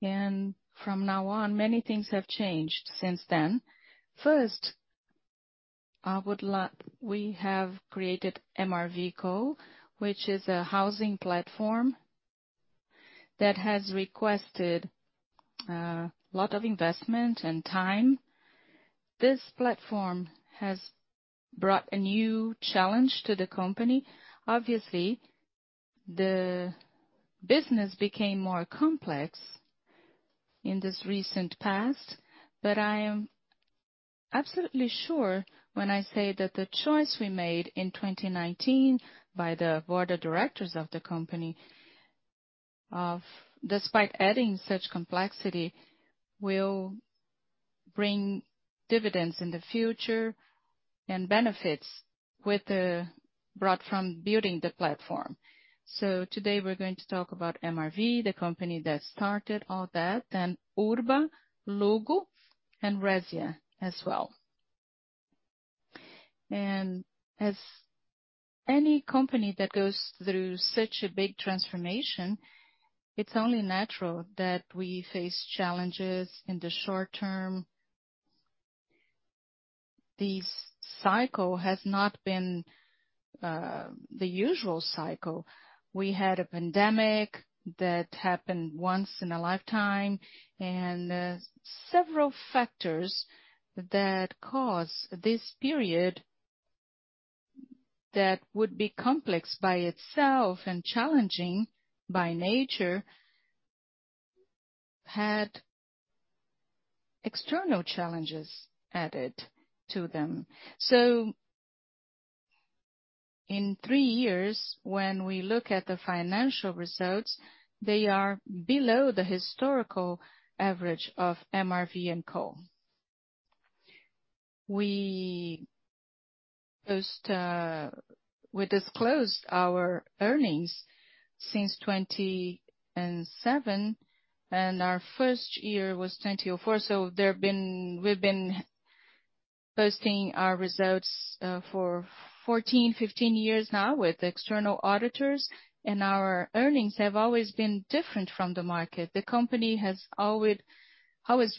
From now on, many things have changed since then. First, we have created MRV&Co, which is a housing platform that has requested lot of investment and time. This platform has brought a new challenge to the company. Obviously, the business became more complex in this recent past, but I am absolutely sure when I say that the choice we made in 2019 by the board of directors of the company of despite adding such complexity will bring dividends in the future and benefits with the brought from building the platform. Today we're going to talk about MRV, the company that started all that, and Urba, Luggo and Resia as well. As any company that goes through such a big transformation, it's only natural that we face challenges in the short term. The cycle has not been the usual cycle. We had a pandemic that happened once in a lifetime, several factors that caused this period that would be complex by itself and challenging by nature had external challenges added to them. In three years, when we look at the financial results, they are below the historical average of MRV&Co. We disclosed our earnings since 2007, our first year was 2004. We've been posting our results for 14, 15 years now with external auditors. Our earnings have always been different from the market. The company has always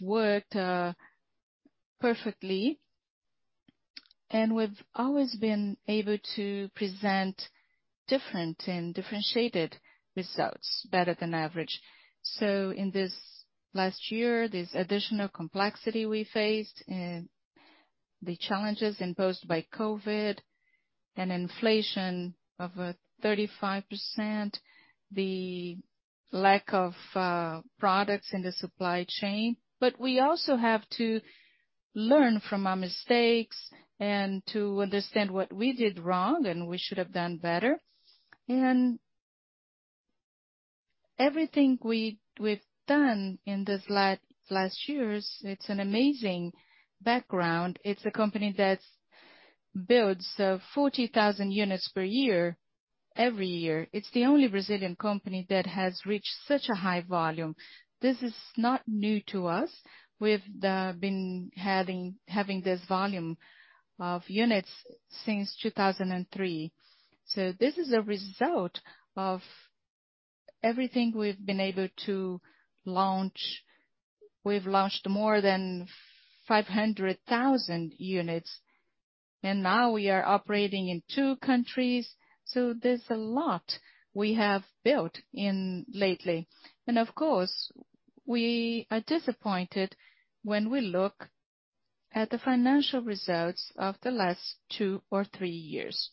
worked perfectly, we've always been able to present different and differentiated results better than average. In this last year, this additional complexity we faced and the challenges imposed by COVID and inflation of 35%, the lack of products in the supply chain. We also have to learn from our mistakes and to understand what we did wrong, and we should have done better. Everything we've done in these last years, it's an amazing background. It's a company that's builds 40,000 units per year every year. It's the only Brazilian company that has reached such a high volume. This is not new to us. We've been having this volume of units since 2003. This is a result of everything we've been able to launch. We've launched more than 500,000 units, and now we are operating in two countries. There's a lot we have built in lately. Of course, we are disappointed when we look at the financial results of the last two or three years.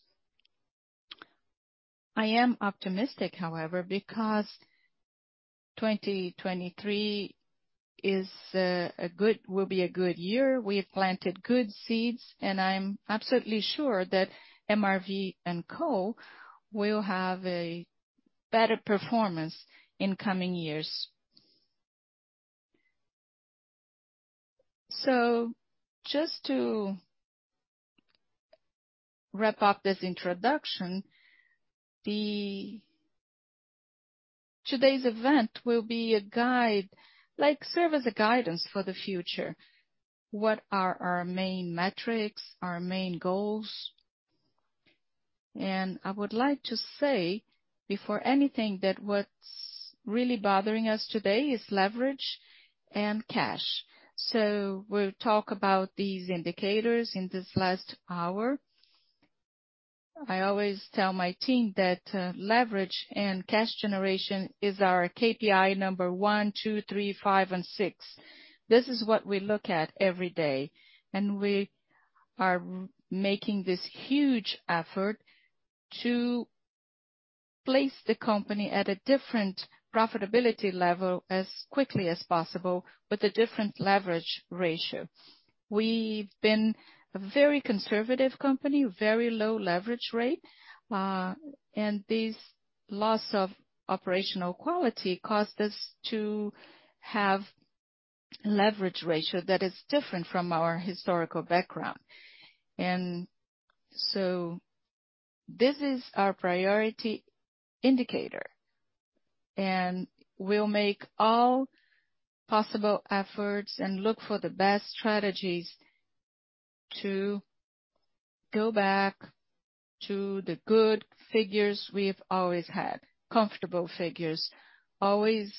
I am optimistic, however, because 2023 will be a good year. We have planted good seeds, I'm absolutely sure that MRV&Co will have a better performance in coming years. Just to wrap up this introduction, Today's event will be a guide like serve as a guidance for the future. What are our main metrics, our main goals? I would like to say before anything that what's really bothering us today is leverage and cash. We'll talk about these indicators in this last hour. I always tell my team that leverage and cash generation is our KPI number one, two, three, five and six. This is what we look at every day, and we are making this huge effort to place the company at a different profitability level as quickly as possible with a different leverage ratio. We've been a very conservative company, very low leverage rate. This loss of operational quality caused us to have leverage ratio that is different from our historical background. This is our priority indicator, and we'll make all possible efforts and look for the best strategies to go back to the good figures we've always had. Comfortable figures, always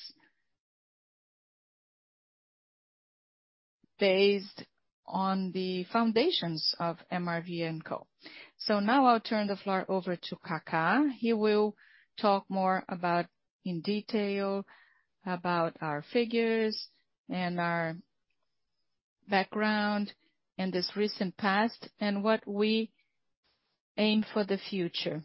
based on the foundations of MRV&Co. I'll turn the floor over to Cacá. He will talk more about in detail about our figures and our background in this recent past, and what we aim for the future.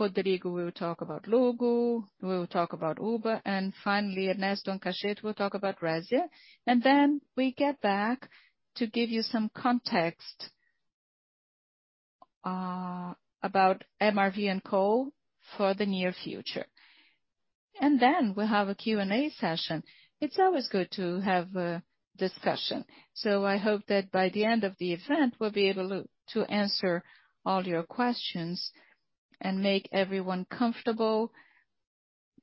Rodrigo will talk about Luggo, we'll talk about Urba, and finally, Ernesto Lopes will talk about Resia. We get back to give you some context about MRV&Co for the near future. We'll have a Q&A session. It's always good to have a discussion. I hope that by the end of the event, we'll be able to answer all your questions and make everyone comfortable,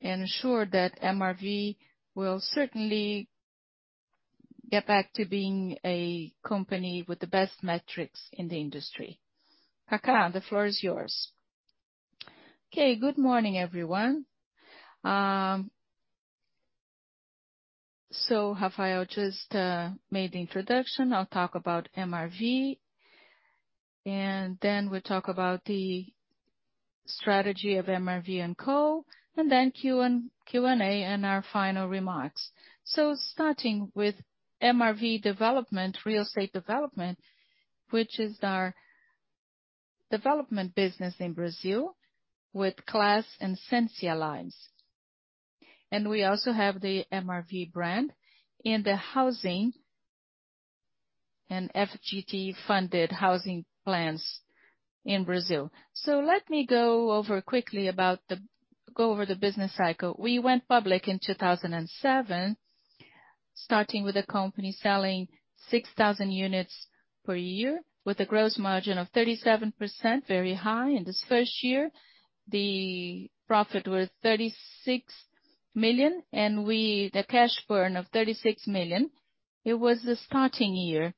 and assure that MRV will certainly get back to being a company with the best metrics in the industry. Cacá, the floor is yours. Okay. Good morning, everyone. Rafael just made the introduction. I'll talk about MRV, we'll talk about the strategy of MRV&Co. Q&A and our final remarks. Starting with MRV Incorporadora, Real Estate Development, which is our development business in Brazil with Class and Essence lines. We also have the MRV brand in the housing and FGTS funded housing plans in Brazil. Let me go over quickly the business cycle. We went public in 2007, starting with the company selling 6,000 units per year with a gross margin of 37%, very high in this first year. The profit was 36 million, the cash burn of 36 million. It was the starting year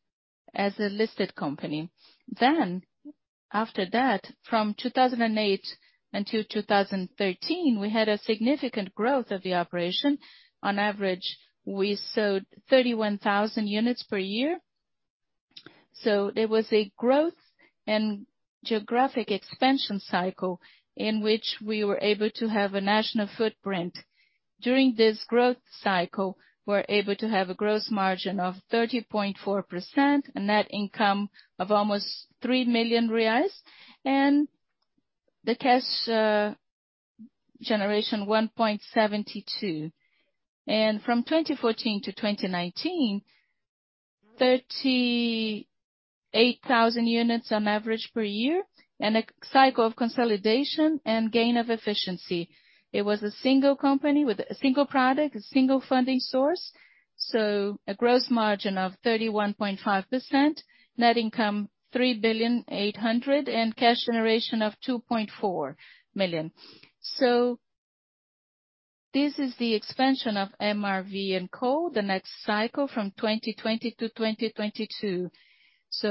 as a listed company. After that, from 2008 until 2013, we had a significant growth of the operation. On average, we sold 31,000 units per year. There was a growth and geographic expansion cycle in which we were able to have a national footprint. During this growth cycle, we're able to have a gross margin of 30.4% and net income of almost 3 million reais. The cash generation 1.72 million. From 2014 to 2019, 38,000 units on average per year, and a cycle of consolidation and gain of efficiency. It was a single company with a single product, a single funding source. A gross margin of 31.5%, net income 3.8 billion, and cash generation of 2.4 million. This is the expansion of MRV&Co. The next cycle from 2020 to 2022.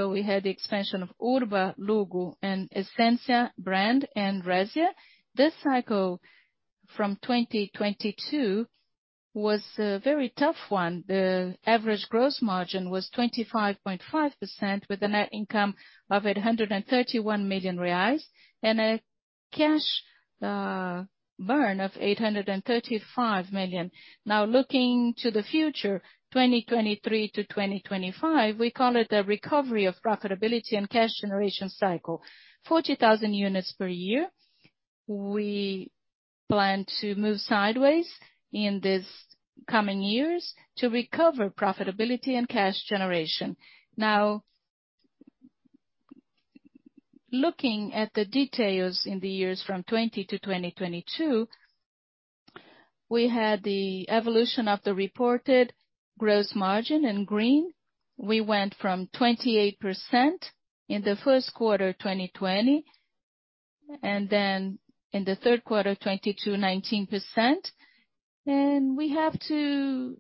We had the expansion of Urba, Luggo, and Essence brand, and Resia. This cycle from 2022 was a very tough one. The average gross margin was 25.5%, with a net income of 831 million reais and a cash burn of 835 million. Looking to the future, 2023-2025, we call it a recovery of profitability and cash generation cycle. 40,000 units per year. We plan to move sideways in these coming years to recover profitability and cash generation. Looking at the details in the years from 2020-2022, we had the evolution of the reported gross margin in green. We went from 28% in the first quarter, 2020, then in the third quarter, 2022, 19%. We have to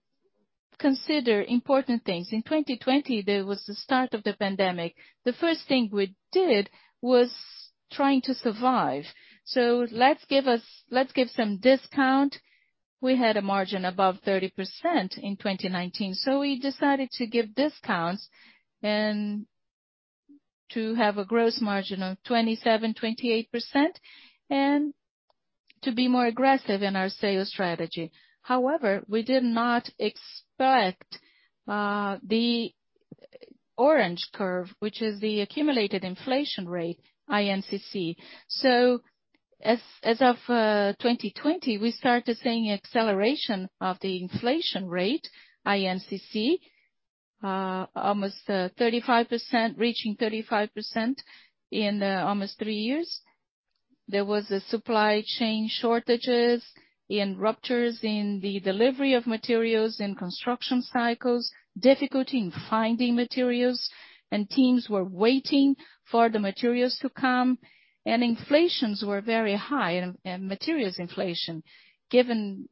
consider important things. In 2020, there was the start of the pandemic. The first thing we did was trying to survive. Let's give some discount. We had a margin above 30% in 2019, we decided to give discounts and to have a gross margin of 27%-28% and to be more aggressive in our sales strategy. However, we did not expect the orange curve, which is the accumulated inflation rate, INCC. As of 2020, we started seeing acceleration of the inflation rate, INCC, almost 35%, reaching 35% in almost three years. There was a supply chain shortages and ruptures in the delivery of materials and construction cycles, difficulty in finding materials, and teams were waiting for the materials to come. Inflation was very high, and materials inflation, given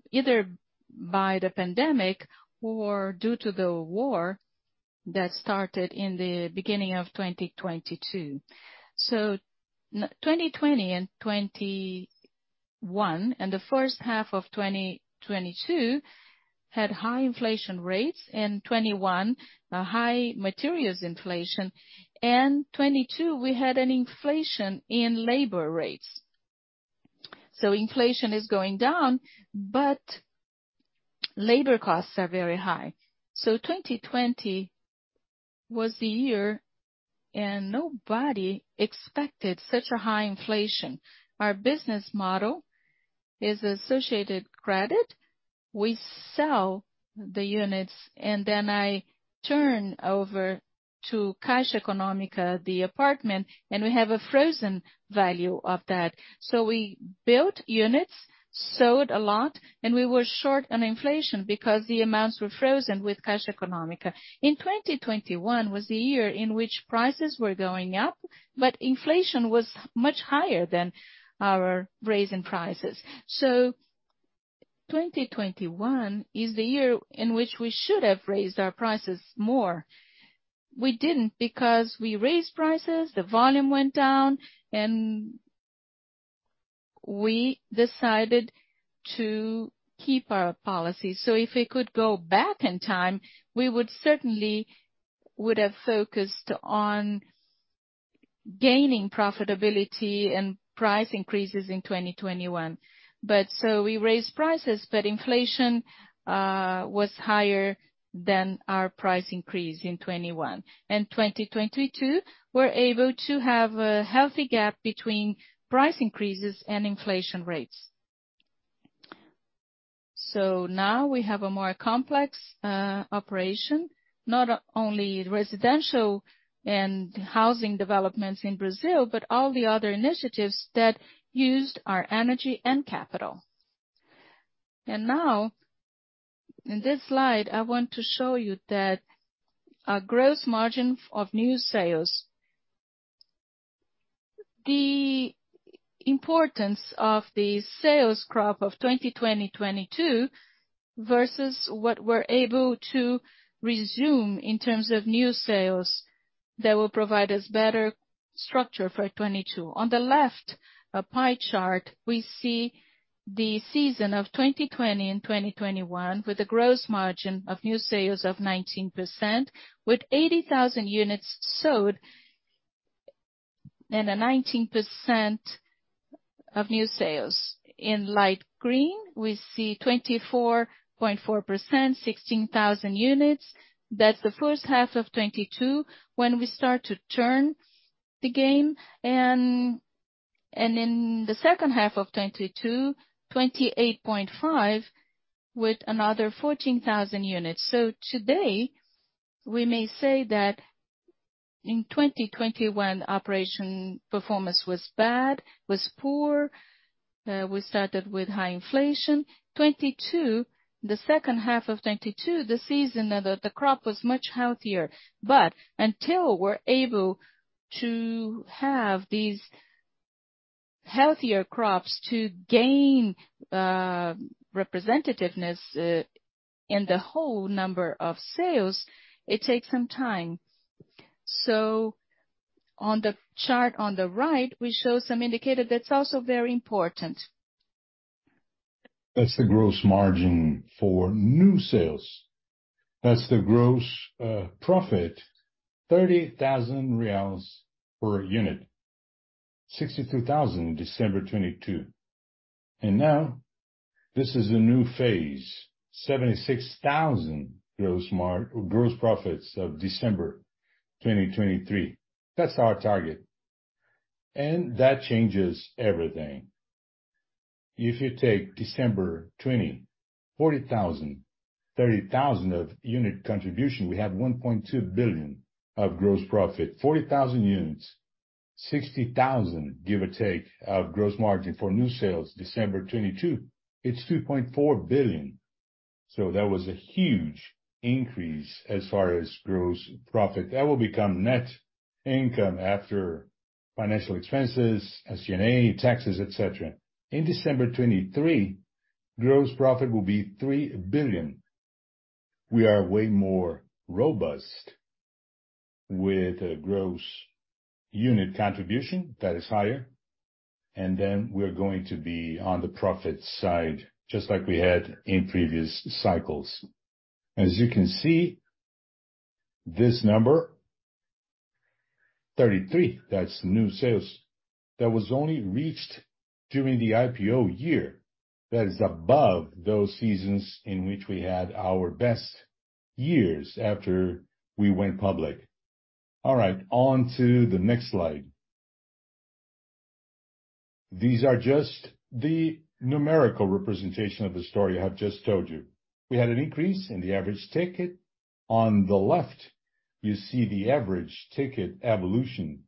by the pandemic or due to the war that started in the beginning of 2022. 2020 and 2021, and the first half of 2022 had high inflation rates. In 2021, a high materials inflation, and 2022, we had an inflation in labor rates. Inflation is going down, but labor costs are very high. 2020 was the year and nobody expected such a high inflation. Our business model is associative credit. We sell the units and then I turn over to Caixa Econômica, the apartment, and we have a frozen value of that. We built units, sold a lot, and we were short on inflation because the amounts were frozen with Caixa Econômica. In 2021 was the year in which prices were going up, but inflation was much higher than our raise in prices. 2021 is the year in which we should have raised our prices more. We didn't because we raised prices, the volume went down, and we decided to keep our policy. If we could go back in time, we would certainly would have focused on gaining profitability and price increases in 2021. We raised prices, but inflation was higher than our price increase in 2021. 2022, we're able to have a healthy gap between price increases and inflation rates. Now we have a more complex operation, not only residential and housing developments in Brazil, but all the other initiatives that used our energy and capital. Now in this slide, I want to show you that our gross margin of new sales. The importance of the sales crop of 2020, 2022 versus what we're able to resume in terms of new sales that will provide us better structure for 2022. On the left, a pie chart, we see the season of 2020 and 2021 with a gross margin of new sales of 19%, with 80,000 units sold and a 19% of new sales. In light green, we see 24.4%, 16,000 units. That's the first half of 2022 when we start to turn the game. In the second half of 2022, 28.5% with another 14,000 units. Today, we may say that in 2021, operation performance was bad, was poor. We started with high inflation. 2022, the second half of 2022, the season of the crop was much healthier. Until we're able to have these healthier crops to gain representativeness in the whole number of sales, it takes some time. On the chart on the right, we show some indicator that's also very important. That's the gross margin for new sales. That's the gross profit, 30,000 reais per unit, 62,000 December 2022. Now this is a new phase, 76,000 gross profits of December 2023. That's our target. That changes everything. If you take December 2020, 40,000, 30,000 of unit contribution, we have 1.2 billion of gross profit. 40,000 units, 60,000, give or take, of gross margin for new sales December 2022, it's 2.4 billion. That was a huge increase as far as gross profit. That will become net income after financial expenses, SG&A, taxes, et cetera. In December 2023, gross profit will be 3 billion. We are way more robust with a gross unit contribution that is higher, and then we're going to be on the profit side, just like we had in previous cycles. As you can see, this number 33, that's new sales that was only reached during the IPO year. That is above those seasons in which we had our best years after we went public. All right, on to the next slide. These are just the numerical representation of the story I have just told you. We had an increase in the average ticket. On the left, you see the average ticket evolution.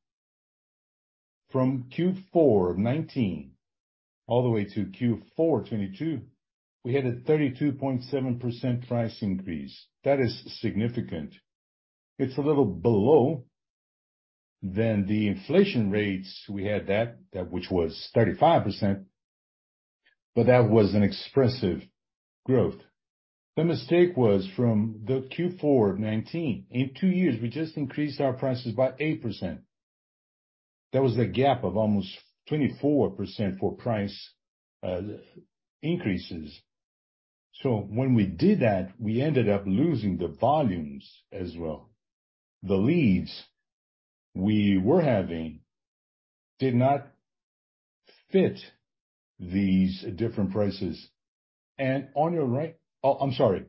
From Q4 2019 all the way to Q4 2022, we had a 32.7% price increase. That is significant. It's a little below the inflation rates, we had that which was 35%, but that was an expressive growth. The mistake was from the Q4 of 2019. In 2 years, we just increased our prices by 8%. That was the gap of almost 24% for price increases. When we did that, we ended up losing the volumes as well. The leads we were having did not fit these different prices. On your right... Oh, I'm sorry.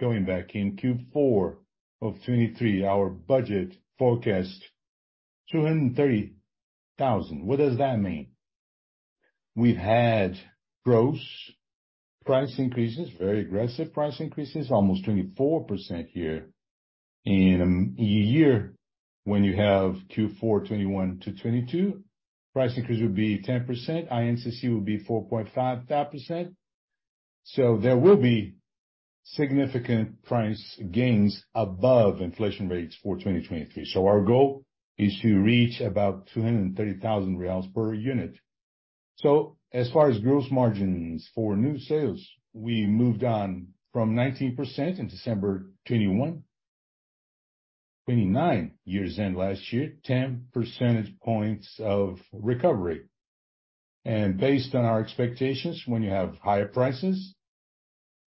Going back. In Q4 of 2023, our budget forecast 230,000. What does that mean? We've had gross price increases, very aggressive price increases, almost 24% year. In a year, when you have Q4 2021 to 2022, price increase would be 10%, INCC would be 4.5%. There will be significant price gains above inflation rates for 2023. Our goal is to reach about 230,000 reais per unit. As far as gross margins for new sales, we moved on from 19% in December 2021. 29 years end last year, 10 percentage points of recovery. Based on our expectations, when you have higher prices,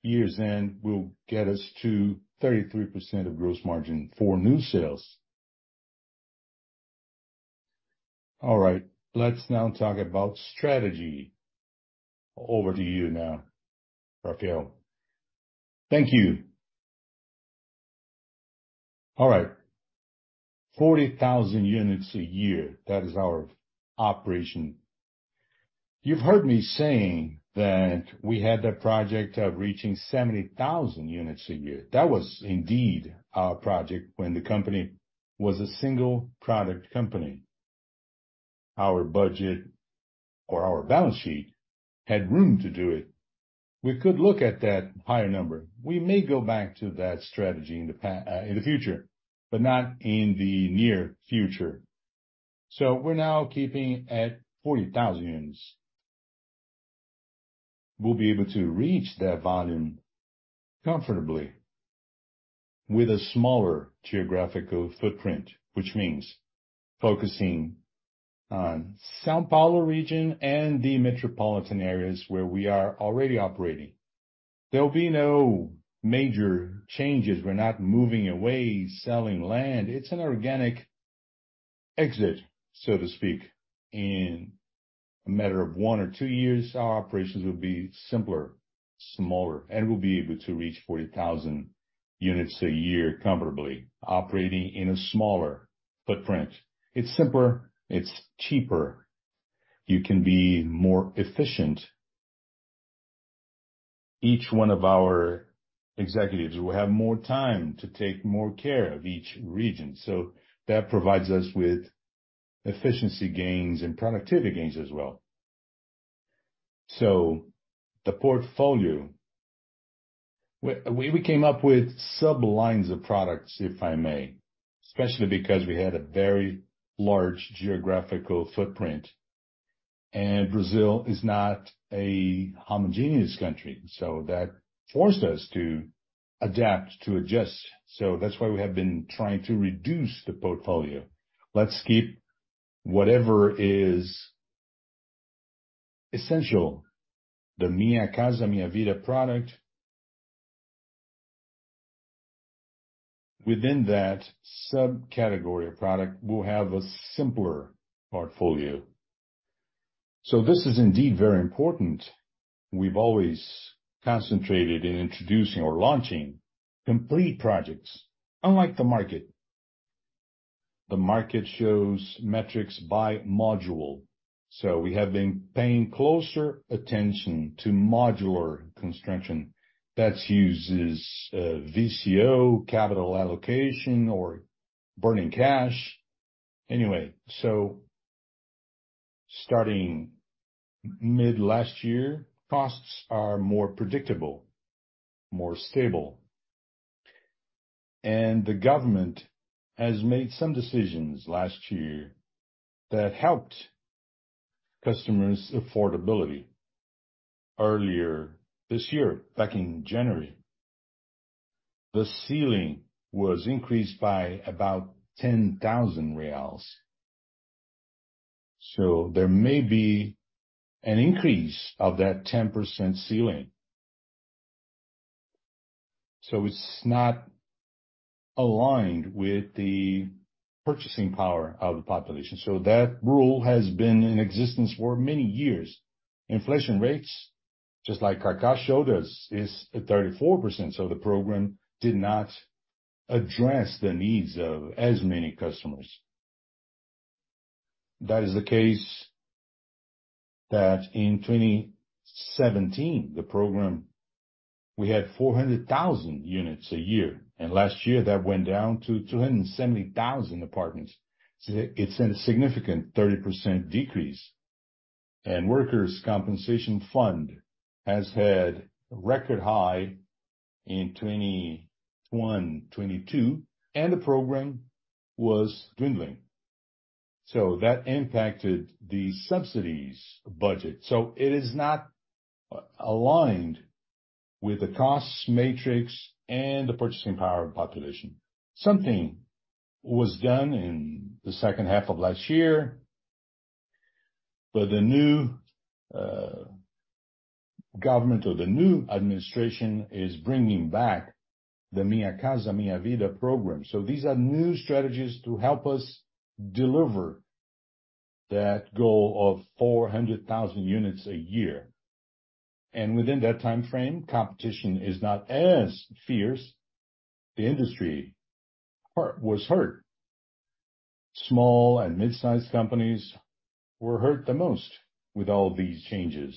year-end will get us to 33% of gross margin for new sales. Let's now talk about strategy. Over to you now, Rafael. Thank you. 40,000 units a year. That is our operation. You've heard me saying that we had a project of reaching 70,000 units a year. That was indeed our project when the company was a single product company. Our budget or our balance sheet had room to do it. We could look at that higher number. We may go back to that strategy in the future, but not in the near future. We're now keeping at 40,000 units. We'll be able to reach that volume comfortably with a smaller geographical footprint, which means focusing on São Paulo region and the metropolitan areas where we are already operating. There'll be no major changes. We're not moving away, selling land. It's an organic exit, so to speak. In a matter of one or two years, our operations will be simpler, smaller, and we'll be able to reach 40,000 units a year comfortably operating in a smaller footprint. It's simpler, it's cheaper. You can be more efficient. Each one of our executives will have more time to take more care of each region. That provides us with efficiency gains and productivity gains as well. The portfolio, we came up with sublines of products, if I may, especially because we had a very large geographical footprint, and Brazil is not a homogeneous country, so that forced us to adapt, to adjust. That's why we have been trying to reduce the portfolio. Let's keep whatever is essential. The Minha Casa, Minha Vida product. Within that subcategory of product, we'll have a simpler portfolio. This is indeed very important. We've always concentrated in introducing or launching complete projects, unlike the market. The market shows metrics by module. We have been paying closer attention to modular construction that uses VCO capital allocation or burning cash. Anyway, starting mid last year, costs are more predictable, more stable. The government has made some decisions last year that helped customers' affordability. Earlier this year, back in January, the ceiling was increased by about 10,000 reais. There may be an increase of that 10% ceiling. It's not aligned with the purchasing power of the population. That rule has been in existence for many years. Inflation rates, just like Carlos showed us, is at 34%, so the program did not address the needs of as many customers. That is the case that in 2017, the program, we had 400,000 units a year, and last year that went down to 270,000 apartments. It's a significant 30% decrease. Workers' Compensation Fund has had a record high in 2021, 2022, and the program was dwindling. That impacted the subsidies budget. It is not aligned with the cost matrix and the purchasing power of population. Something was done in the second half of last year. The new government or the new administration is bringing back the Minha Casa, Minha Vida program. These are new strategies to help us deliver that goal of 400,000 units a year. Within that timeframe, competition is not as fierce. The industry was hurt. Small and mid-sized companies were hurt the most with all these changes.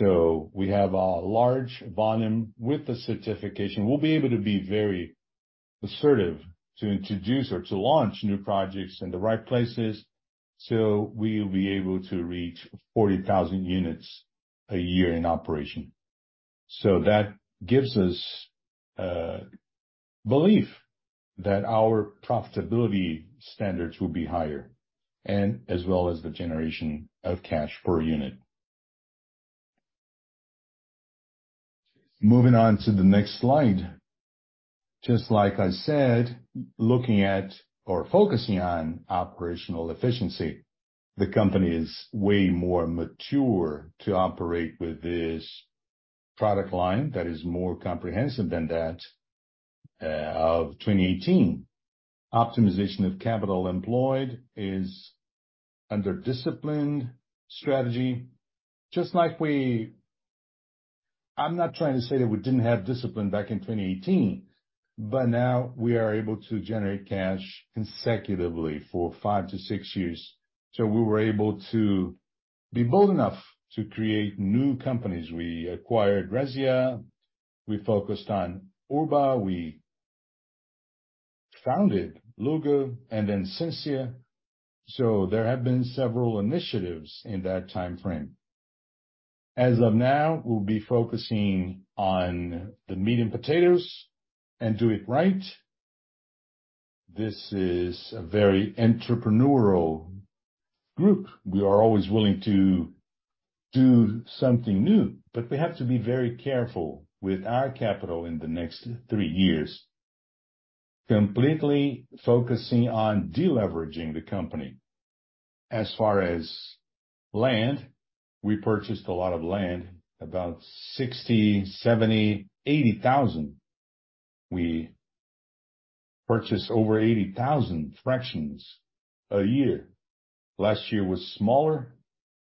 We have a large volume with the certification. We'll be able to be very assertive to introduce or to launch new projects in the right places, so we'll be able to reach 40,000 units a year in operation. That gives us belief that our profitability standards will be higher and as well as the generation of cash per unit. Moving on to the next slide. Just like I said, looking at or focusing on operational efficiency, the company is way more mature to operate with this product line that is more comprehensive than that of 2018. Optimization of capital employed is under disciplined strategy. I'm not trying to say that we didn't have discipline back in 2018, but now we are able to generate cash consecutively for five to six years. We were able to be bold enough to create new companies. We acquired Resia, we focused on Urba, we founded Luggo and then Sensia. There have been several initiatives in that timeframe. As of now, we'll be focusing on the meat and potatoes and do it right. This is a very entrepreneurial group. We are always willing to do something new. We have to be very careful with our capital in the next 3 years, completely focusing on deleveraging the company. As far as land, we purchased a lot of land, about 60,000, 70,000, 80,000. We purchase over 80,000 fractions a year. Last year was smaller.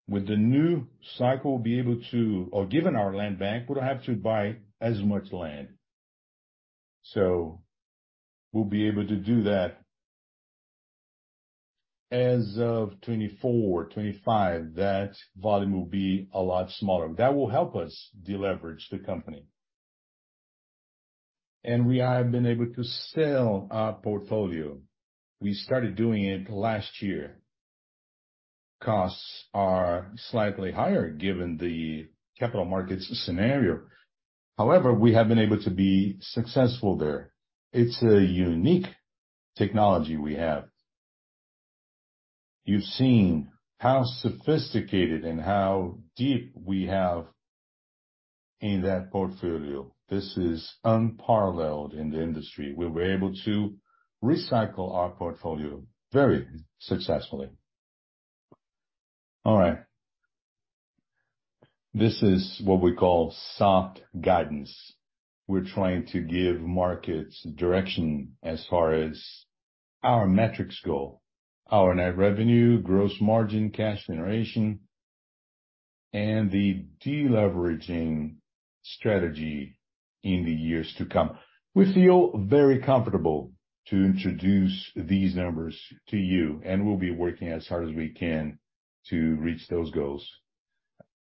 With the new cycle, we'll be able to, given our land bank, we don't have to buy as much land. We'll be able to do that. As of 2024, 2025, that volume will be a lot smaller. That will help us deleverage the company. We have been able to sell our portfolio. We started doing it last year. Costs are slightly higher given the capital markets scenario. However, we have been able to be successful there. It's a unique technology we have. You've seen how sophisticated and how deep we have in that portfolio. This is unparalleled in the industry. We were able to recycle our portfolio very successfully. All right. This is what we call soft guidance. We're trying to give markets direction as far as our metrics goal, our net revenue, gross margin, cash generation, and the deleveraging strategy in the years to come. We feel very comfortable to introduce these numbers to you, and we'll be working as hard as we can to reach those goals.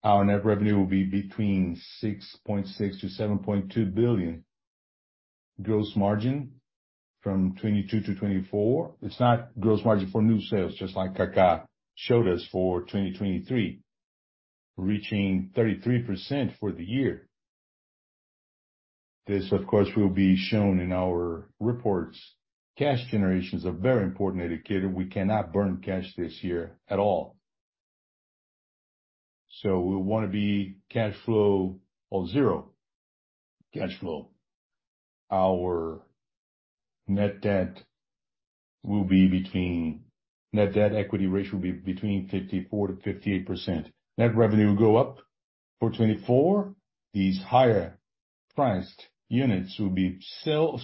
Our net revenue will be between 6.6 billion to 7.2 billion. Gross margin from 22%-24%. It's not gross margin for new sales, just like Cacá showed us for 2023, reaching 33% for the year. This, of course, will be shown in our reports. Cash generation is a very important indicator. We cannot burn cash this year at all. We wanna be cash flow or zero cash flow. Net debt to equity ratio will be between 54%-58%. Net revenue will go up for 2024. These higher priced units will be sold,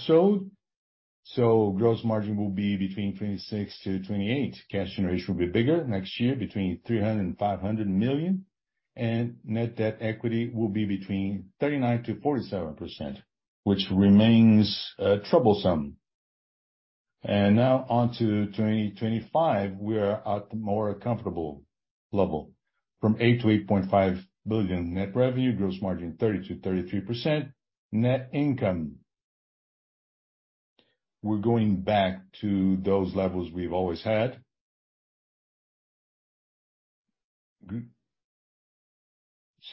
gross margin will be between 26%-28%. Cash generation will be bigger next year between 300 million and 500 million. Net debt equity will be between 39%-47%, which remains troublesome. Now on to 2025, we are at more comfortable level from 8 billion-8.5 billion net revenue, gross margin 30%-33%. Net income. We're going back to those levels we've always had.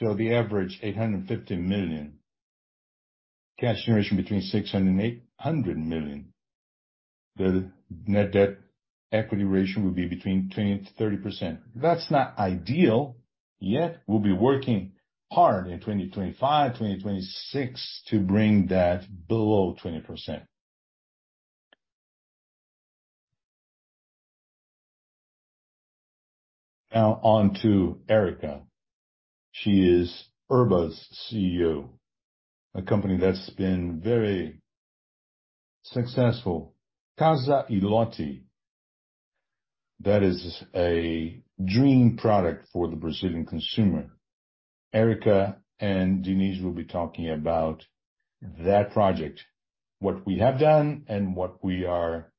The average 850 million. Cash generation between 600 million and 800 million. The net debt equity ratio will be between 20%-30%. That's not ideal, yet we'll be working hard in 2025, 2026 to bring that below 20%. On to Érica. She is Urba's CEO, a company that's been very successful. Casa+Lote, that is a dream product for the Brazilian consumer. Érica and Denise will be talking about that project, what we have done and what we are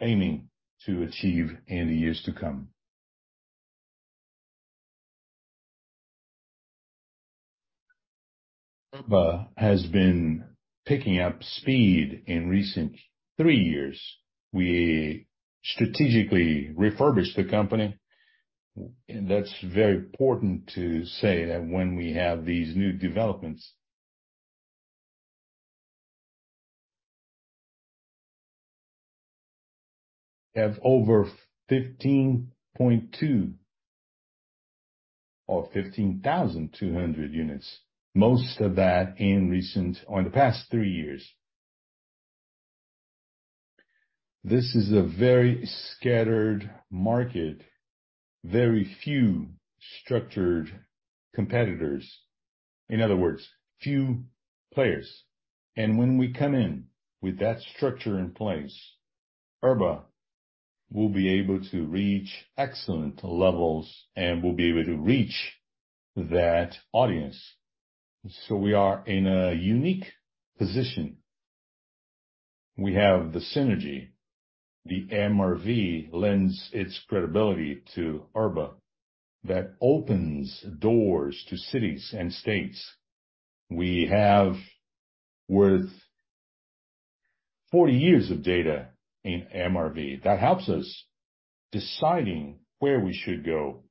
aiming to achieve in the years to come. Urba has been picking up speed in recent three years. We strategically refurbished the company. That's very important to say that when we have these new developments. We have over 15.2 or 15,200 units, most of that in recent or in the past three years. This is a very scattered market, very few structured competitors. In other words, few players. When we come in with that structure in place, Urba will be able to reach excellent levels, and we'll be able to reach that audience. We are in a unique position. We have the synergy. The MRV lends its credibility to Urba. That opens doors to cities and states. We have worth 40 years of data in MRV that helps us deciding where we should go.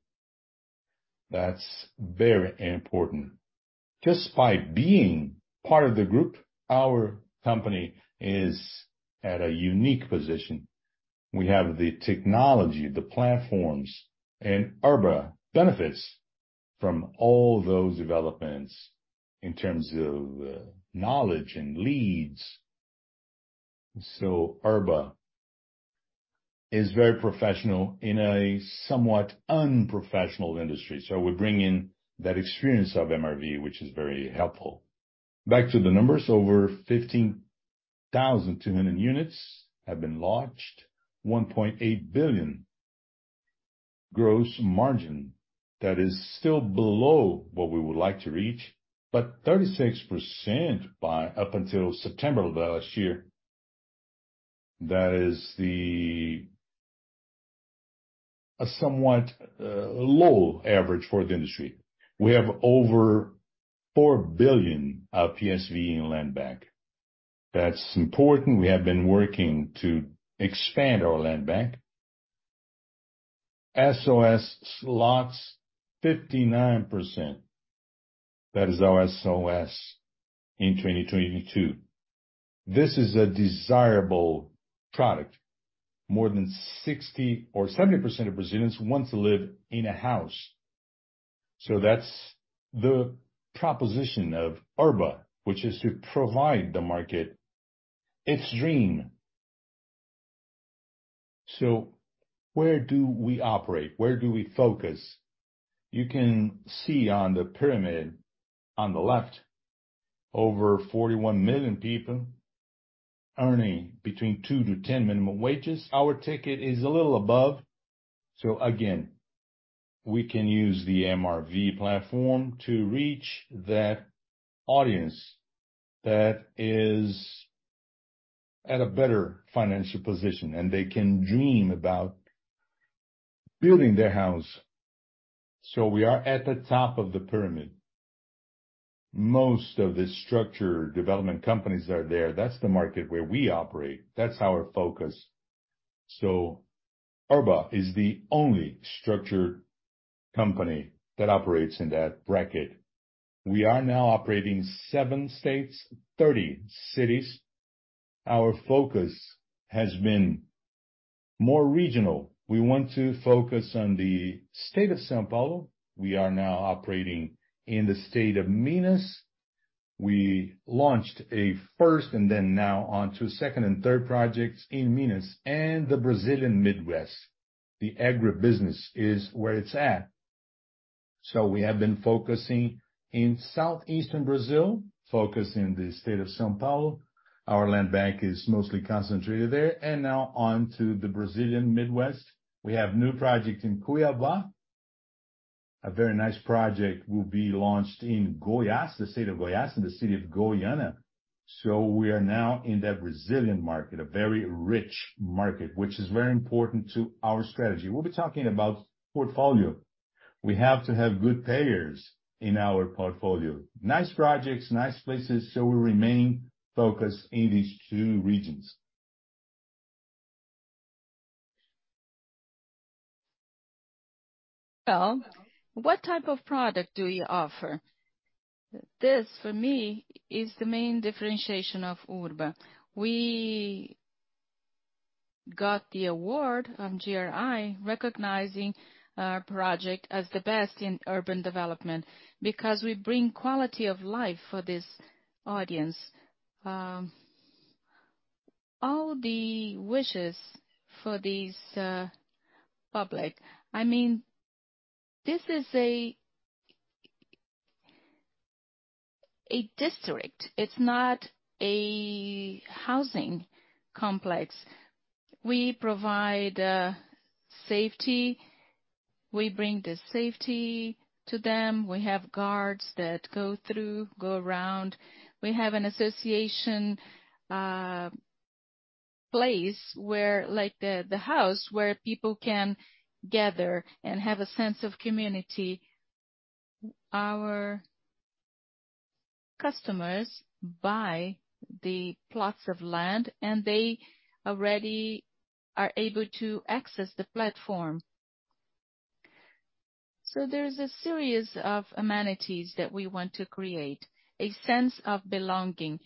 That's very important. Just by being part of the group, our company is at a unique position. We have the technology, the platforms, and Urba benefits from all those developments in terms of knowledge and leads. Urba is very professional in a somewhat unprofessional industry. We bring in that experience of MRV, which is very helpful. Back to the numbers. Over 15,200 units have been launched. 1.8 billion gross margin. That is still below what we would like to reach, 36% by up until September 2023. That is a somewhat low average for the industry. We have over 4 billion of PSV in land bank. That's important. We have been working to expand our land bank. VSO slots 59%. That is our VSO in 2022. This is a desirable product. More than 60% or 70% of Brazilians want to live in a house. That's the proposition of Urba, which is to provide the market its dream. Where do we operate? Where do we focus? You can see on the pyramid on the left, over 41 million people earning between 2 to 10 minimum wages. Our ticket is a little above. Again, we can use the MRV platform to reach that audience that is at a better financial position, and they can dream about building their house. We are at the top of the pyramid. Most of the structure development companies are there. That's the market where we operate. That's our focus. Urba is the only structured company that operates in that bracket. We are now operating seven states, 30 cities. Our focus has been more regional. We want to focus on the state of São Paulo. We are now operating in the state of Minas. We launched a first and then now on to second and third projects in Minas and the Brazilian Midwest. The agribusiness is where it's at. We have been focusing in southeastern Brazil, focusing the state of São Paulo. Our land bank is mostly concentrated there. Now on to the Brazilian Midwest. We have new project in Cuiabá. A very nice project will be launched in Goiás, the state of Goiás, in the city of Goiânia. We are now in that Brazilian market, a very rich market, which is very important to our strategy. We'll be talking about portfolio. We have to have good payers in our portfolio. Nice projects, nice places, so we remain focused in these two regions. What type of product do you offer? This, for me, is the main differentiation of Urba. We got the award from GRI, recognizing our project as the best in urban development because we bring quality of life for this audience. All the wishes for these public. I mean, this is a district. It's not a housing complex. We provide safety. We bring the safety to them. We have guards that go through, go around. We have an association place where like the house where people can gather and have a sense of community. Our customers buy the plots of land, and they already are able to access the platform. There is a series of amenities that we want to create. A sense of belonging.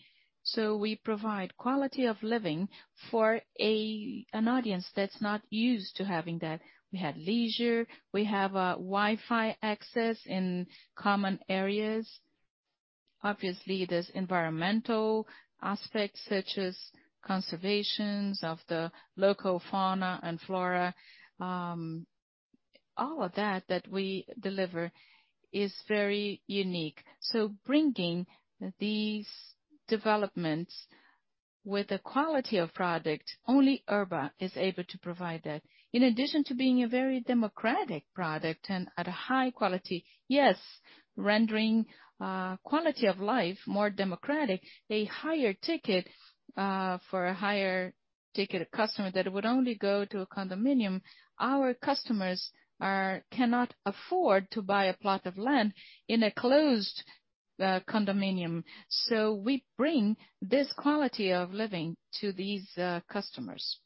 We provide quality of living for an audience that's not used to having that. We have leisure. We have Wi-Fi access in common areas. Obviously, there's environmental aspects, such as conservations of the local fauna and flora. All of that we deliver is very unique. Bringing these developments with the quality of product, only Urba is able to provide that. In addition to being a very democratic product and at a high quality, yes, rendering quality of life more democratic, a higher ticket for a higher ticket customer that would only go to a condominium. Our customers cannot afford to buy a plot of land in a closed condominium. We bring this quality of living to these customers.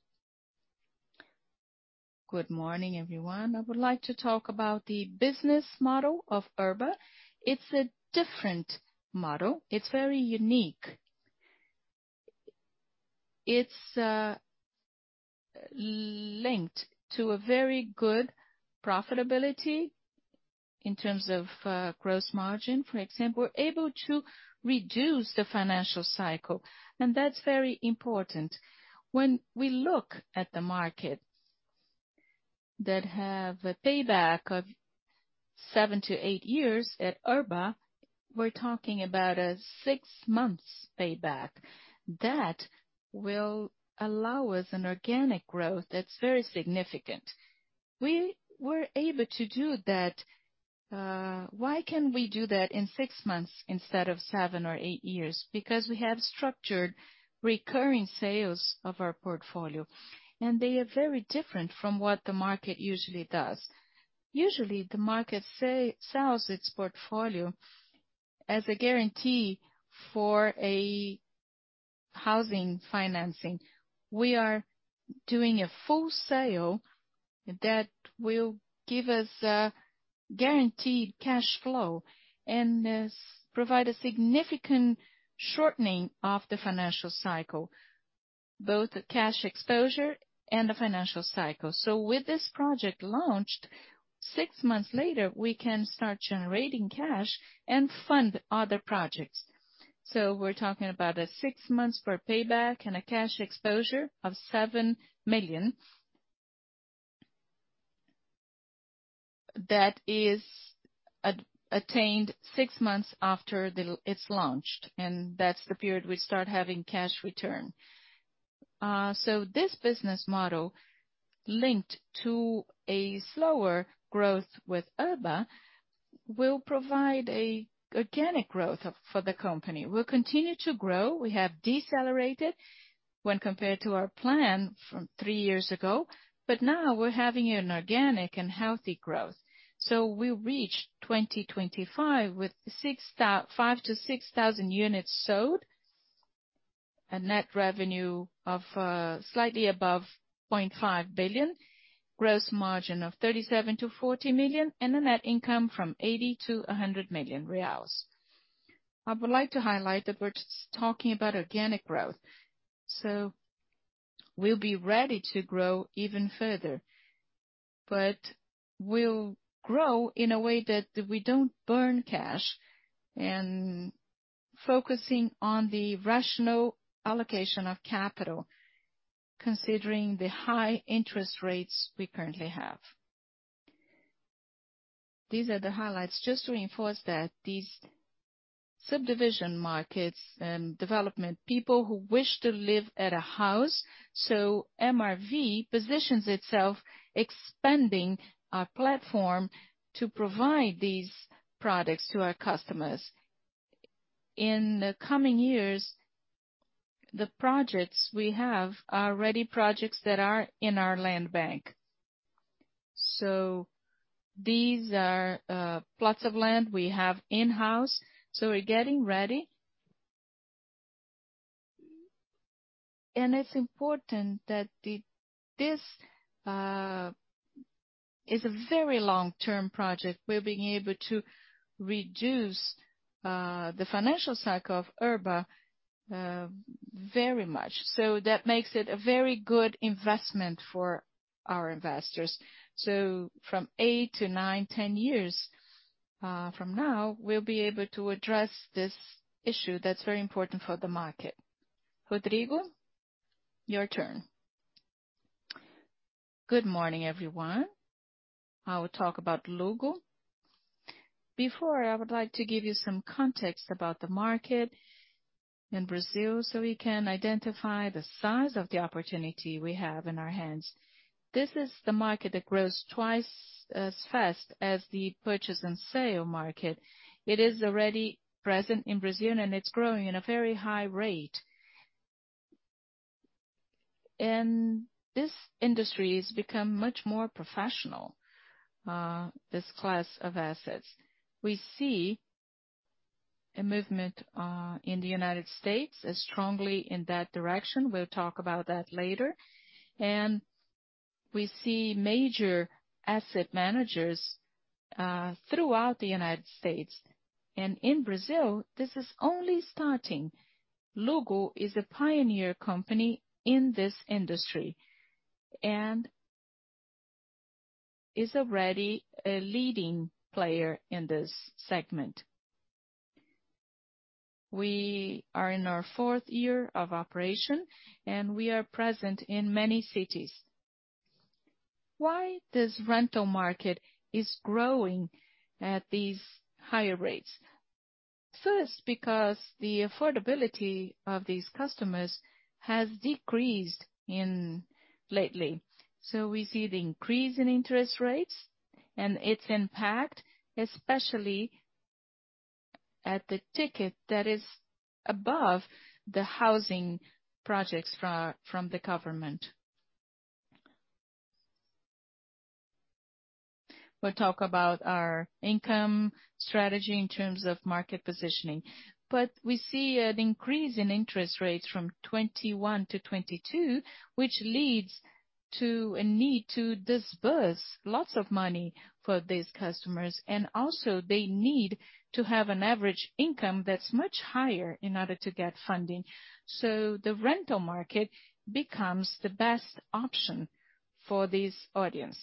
Good morning, everyone. I would like to talk about the business model of Urba. It's a different model. It's very unique. It's linked to a very good profitability in terms of gross margin. For example, we're able to reduce the financial cycle, and that's very important. When we look at the market that have a payback of 7-8 years, at Urba, we're talking about a 6 months payback. That will allow us an organic growth that's very significant. We were able to do that. Why can we do that in 6 months instead of 7 or 8 years? Because we have structured recurring sales of our portfolio, and they are very different from what the market usually does. Usually, the market sells its portfolio as a guarantee for a housing financing. We are doing a full sale that will give us a guaranteed cash flow and provide a significant shortening of the financial cycle, both the cash exposure and the financial cycle. With this project launched, 6 months later, we can start generating cash and fund other projects. We're talking about a six months for payback and a cash exposure of 7 million. That is attained six months after it's launched, and that's the period we start having cash return. This business model, linked to a slower growth with Urba, will provide a organic growth for the company. We'll continue to grow. We have decelerated when compared to our plan from three years ago, but now we're having an organic and healthy growth. We'll reach 2025 with 5,000-6,000 units sold, a net revenue of slightly above 0.5 billion, gross margin of 37 million-40 million, and a net income from 80 million-100 million reais. I would like to highlight that we're talking about organic growth, we'll be ready to grow even further. We'll grow in a way that we don't burn cash and focusing on the rational allocation of capital, considering the high interest rates we currently have. These are the highlights. Just to reinforce that these subdivision markets and development, people who wish to live at a house. MRV positions itself expanding our platform to provide these products to our customers. In the coming years, the projects we have are ready projects that are in our land bank. These are plots of land we have in-house, so we're getting ready. It's important that this is a very long-term project. We're being able to reduce the financial cycle of Urba very much. That makes it a very good investment for our investors. From 8 to 9, 10 years from now, we'll be able to address this issue that's very important for the market. Rodrigo, your turn. Good morning, everyone. I will talk about Luggo. Before, I would like to give you some context about the market in Brazil, so we can identify the size of the opportunity we have in our hands. This is the market that grows twice as fast as the purchase and sale market. It is already present in Brazil, it's growing at a very high rate. This industry has become much more professional, this class of assets. We see a movement in the United States as strongly in that direction. We'll talk about that later. We see major asset managers throughout the United States. In Brazil, this is only starting. Luggo is a pioneer company in this industry and is already a leading player in this segment. We are in our fourth year of operation, and we are present in many cities. Why this rental market is growing at these higher rates? First, because the affordability of these customers has decreased lately. We see the increase in interest rates and its impact, especially at the ticket that is above the housing projects from the government. We'll talk about our income strategy in terms of market positioning. We see an increase in interest rates from 2021 to 2022, which leads to a need to disburse lots of money for these customers. Also they need to have an average income that's much higher in order to get funding. The rental market becomes the best option for this audience.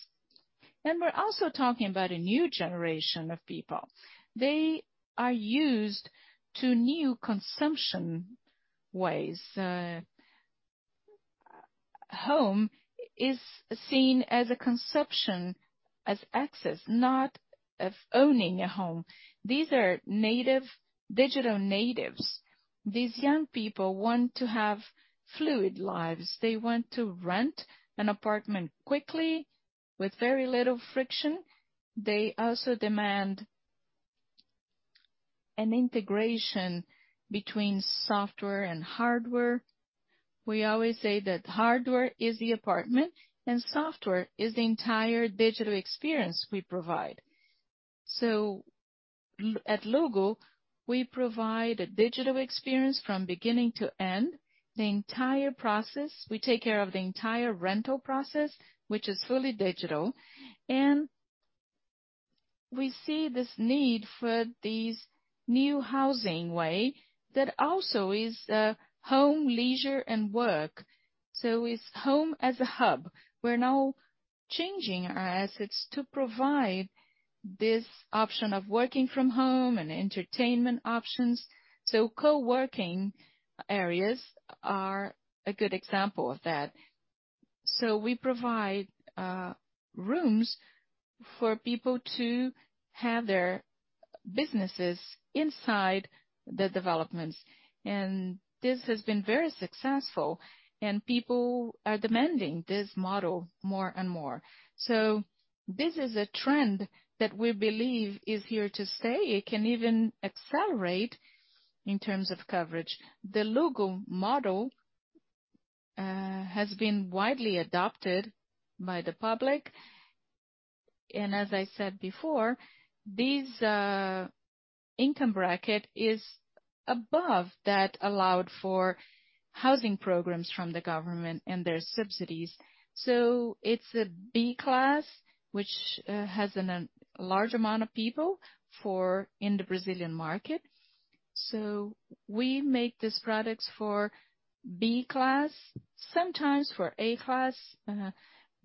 We're also talking about a new generation of people. They are used to new consumption ways. Home is seen as a consumption, as access, not of owning a home. These are digital natives. These young people want to have fluid lives. They want to rent an apartment quickly with very little friction. They also demand an integration between software and hardware. We always say that hardware is the apartment and software is the entire digital experience we provide. At Luggo, we provide a digital experience from beginning to end, the entire process. We take care of the entire rental process, which is fully digital. We see this need for these new housing way that also is a home, leisure, and work. It's home as a hub. We're now changing our assets to provide this option of working from home and entertainment options. Co-working areas are a good example of that. We provide rooms for people to have their businesses inside the developments. This has been very successful, and people are demanding this model more and more. This is a trend that we believe is here to stay. It can even accelerate in terms of coverage. The Luggo model has been widely adopted by the public. As I said before, these income bracket is above that allowed for housing programs from the government and their subsidies. It's a B class which has an large amount of people in the Brazilian market. We make these products for B class, sometimes for A class,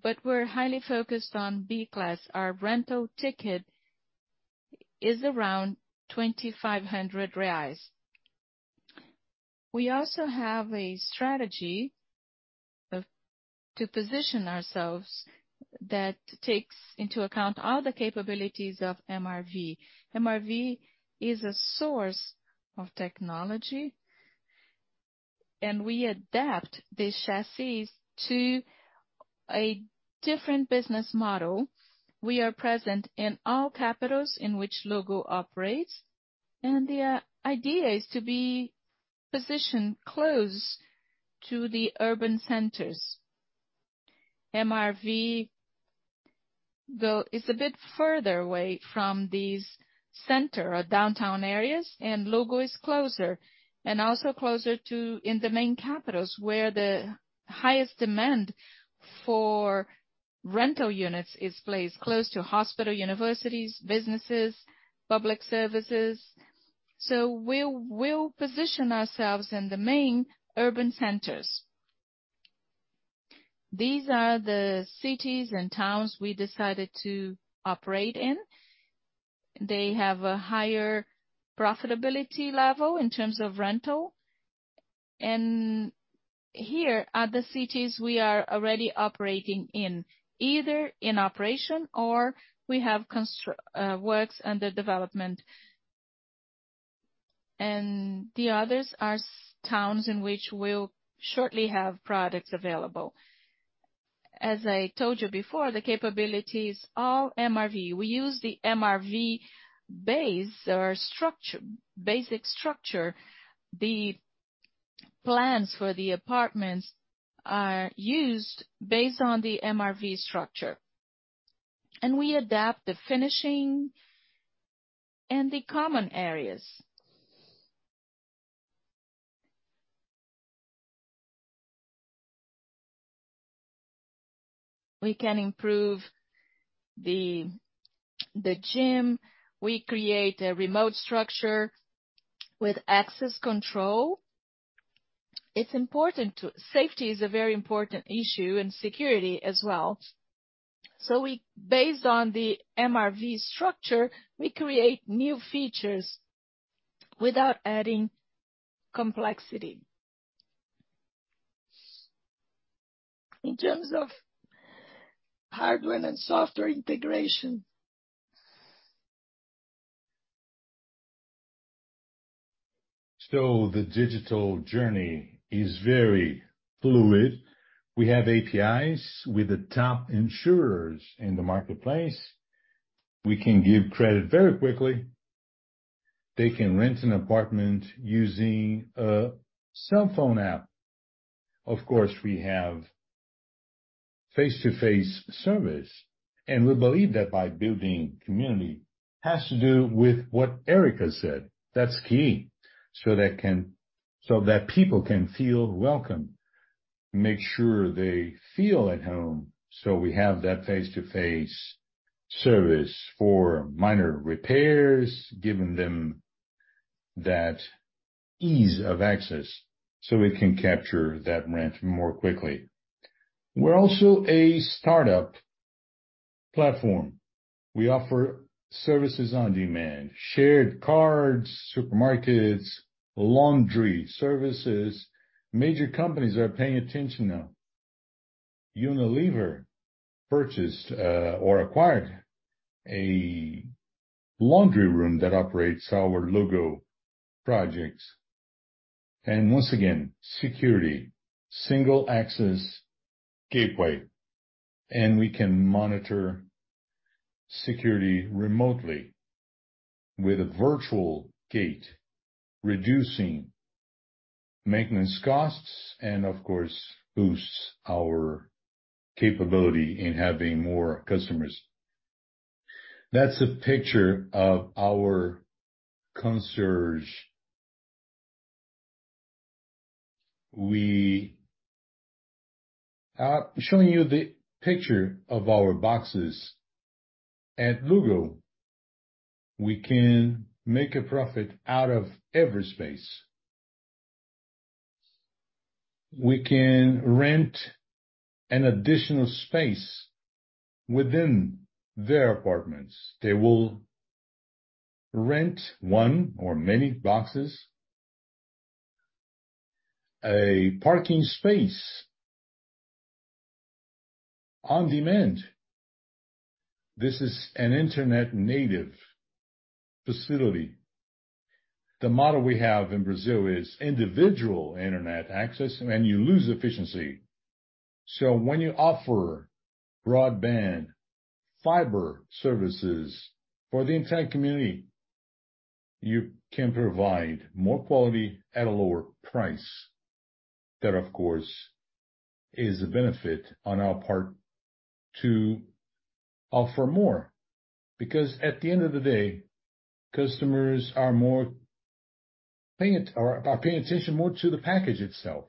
but we're highly focused on B class. Our rental ticket is around 2,500 reais. We also have a strategy to position ourselves that takes into account all the capabilities of MRV. MRV is a source of technology. We adapt the chassis to a different business model. We are present in all capitals in which Luggo operates, and the idea is to be positioned close to the urban centers. MRV, though, is a bit further away from these center or downtown areas, and Luggo is closer. Also closer to in the main capitals where the highest demand for rental units is placed, close to hospital, universities, businesses, public services. We'll position ourselves in the main urban centers. These are the cities and towns we decided to operate in. They have a higher profitability level in terms of rental. Here are the cities we are already operating in, either in operation or we have works under development. The others are towns in which we'll shortly have products available. As I told you before, the capabilities all MRV. We use the MRV base or structure, basic structure. The plans for the apartments are used based on the MRV structure. We adapt the finishing and the common areas. We can improve the gym. We create a remote structure with access control. Safety is a very important issue, and security as well. We based on the MRV structure, we create new features without adding complexity. In terms of hardware and software integration. The digital journey is very fluid. We have APIs with the top insurers in the marketplace. We can give credit very quickly. They can rent an apartment using a cell phone app. Of course, we have face-to-face service, and we believe that by building community has to do with what Erika said. That's key. That people can feel welcome, make sure they feel at home. We have that face-to-face service for minor repairs, giving them that ease of access, so we can capture that rent more quickly. We're also a startup platform. We offer services on demand, shared cards, supermarkets, laundry services. Major companies are paying attention now. Unilever purchased or acquired a laundry room that operates our Luggo projects. Once again, security. Single access gateway. We can monitor security remotely with a virtual gate, reducing maintenance costs, and of course, boosts our capability in having more customers. That's a picture of our concierge. We are showing you the picture of our boxes. At Luggo, we can make a profit out of every space. We can rent an additional space within their apartments. They will rent one or many boxes. A parking space on demand. This is an Internet-native facility. The model we have in Brazil is individual Internet access. You lose efficiency. When you offer broadband fiber services for the entire community, you can provide more quality at a lower price. That, of course, is a benefit on our part to offer more. Because at the end of the day, customers are paying attention more to the package itself.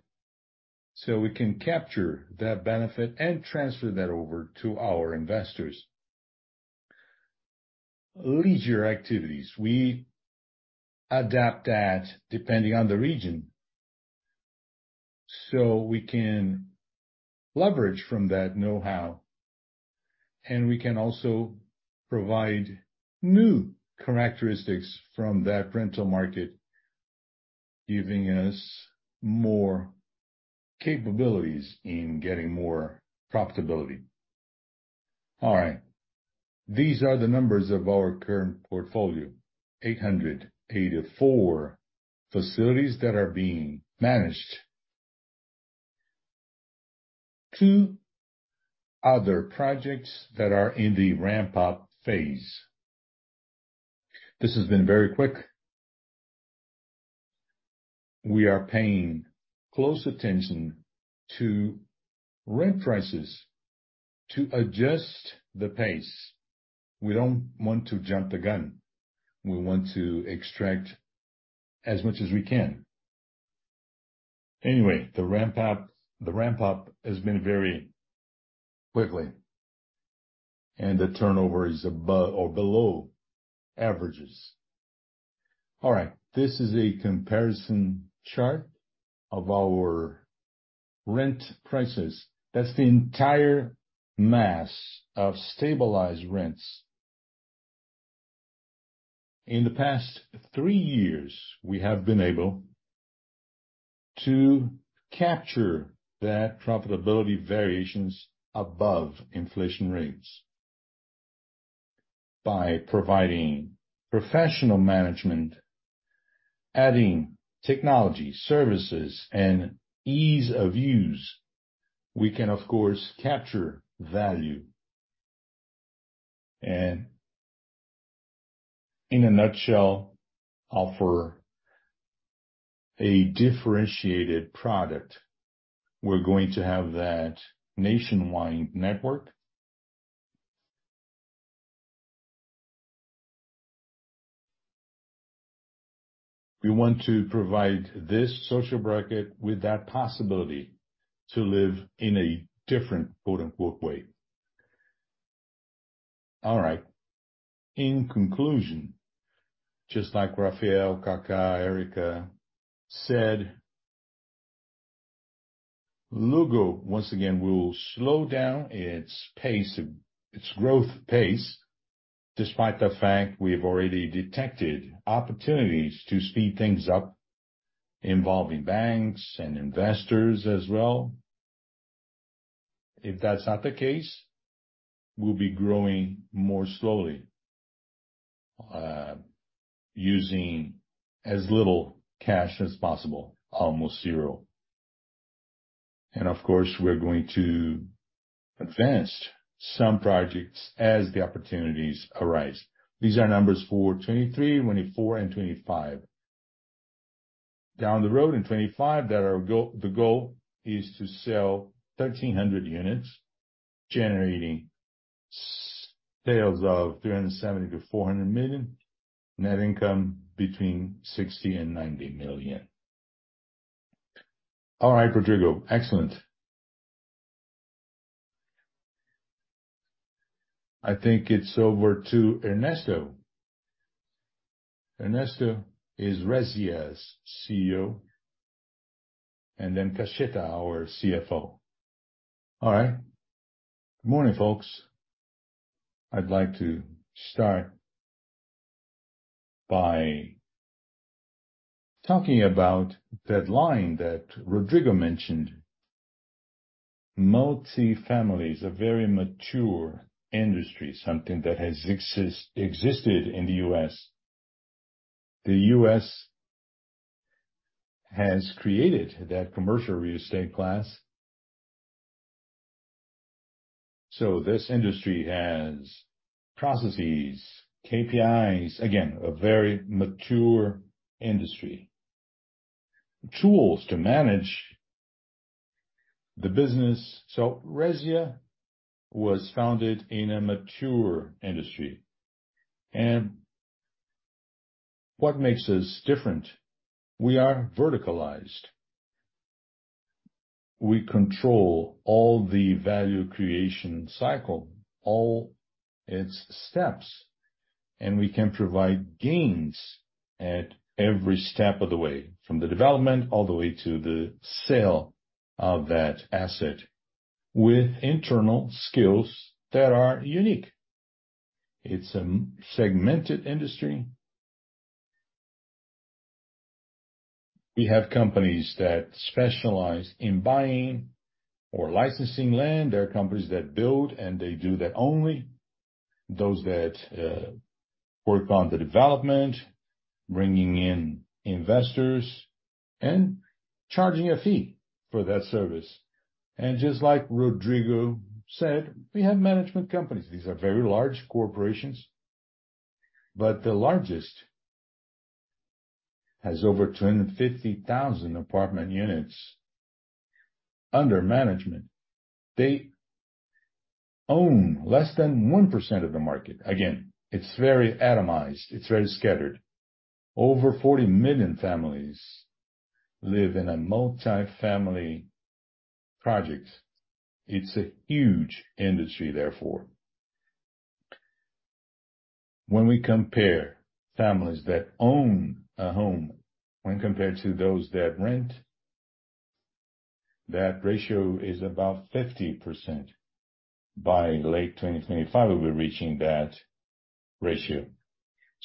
We can capture that benefit and transfer that over to our investors. Leisure activities, we adapt that depending on the region, so we can leverage from that know-how. We can also provide new characteristics from that rental market, giving us more capabilities in getting more profitability. All right. These are the numbers of our current portfolio. 884 facilities that are being managed. 2 other projects that are in the ramp-up phase. This has been very quick. We are paying close attention to rent prices to adjust the pace. We don't want to jump the gun. We want to extract as much as we can. Anyway, the ramp-up has been very quickly, and the turnover is above or below averages. All right, this is a comparison chart of our rent prices. That's the entire mass of stabilized rents. In the past three years, we have been able to capture that profitability variations above inflation rates. By providing professional management, adding technology services and ease of use, we can of course, capture value and in a nutshell, offer a differentiated product. We're going to have that nationwide network. We want to provide this social bracket with that possibility to live in a different quote, unquote way. All right, in conclusion, just like Rafael, Cacá, Érica said, Luggo once again will slow down its pace, its growth pace, despite the fact we have already detected opportunities to speed things up involving banks and investors as well. If that's not the case, we'll be growing more slowly, using as little cash as possible, almost zero. And of course, we're going to advance some projects as the opportunities arise. These are numbers for 2023, 2024, and 2025. Down the road in 2025, the goal is to sell 1,300 units, generating sales of $370 million-$400 million, net income between $60 million and $90 million. All right, Rodrigo. Excellent. I think it's over to Ernesto. Ernesto is Resia's CEO, and then Caixeta, our CFO. All right. Good morning, folks. I'd like to start by talking about that line that Rodrigo mentioned. Multifamily is a very mature industry, something that has existed in the U.S. The U.S. has created that commercial real estate class. This industry has processes, KPIs. Again, a very mature industry. Tools to manage the business. Resia was founded in a mature industry. What makes us different, we are verticalized. We control all the value creation cycle, all its steps, and we can provide gains at every step of the way, from the development all the way to the sale of that asset with internal skills that are unique. It's a segmented industry. We have companies that specialize in buying or licensing land. There are companies that build, and they do that only. Those that work on the development, bringing in investors and charging a fee for that service. Just like Rodrigo said, we have management companies. These are very large corporations, but the largest has over 250,000 apartment units under management. They own less than 1% of the market. Again, it's very atomized. It's very scattered. Over 40 million families live in a multifamily project. It's a huge industry, therefore. When we compare families that own a home when compared to those that rent, that ratio is about 50%. By late 2025, we'll be reaching that ratio.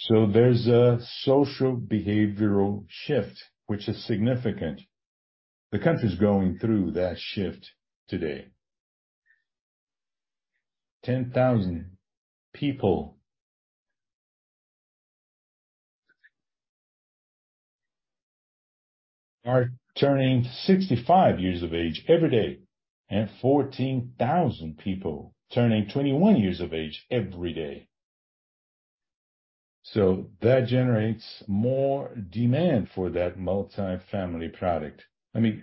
There's a social behavioral shift, which is significant. The country is going through that shift today. 10,000 people are turning 65 years of age every day, and 14,000 people turning 21 years of age every day. That generates more demand for that multifamily product. Let me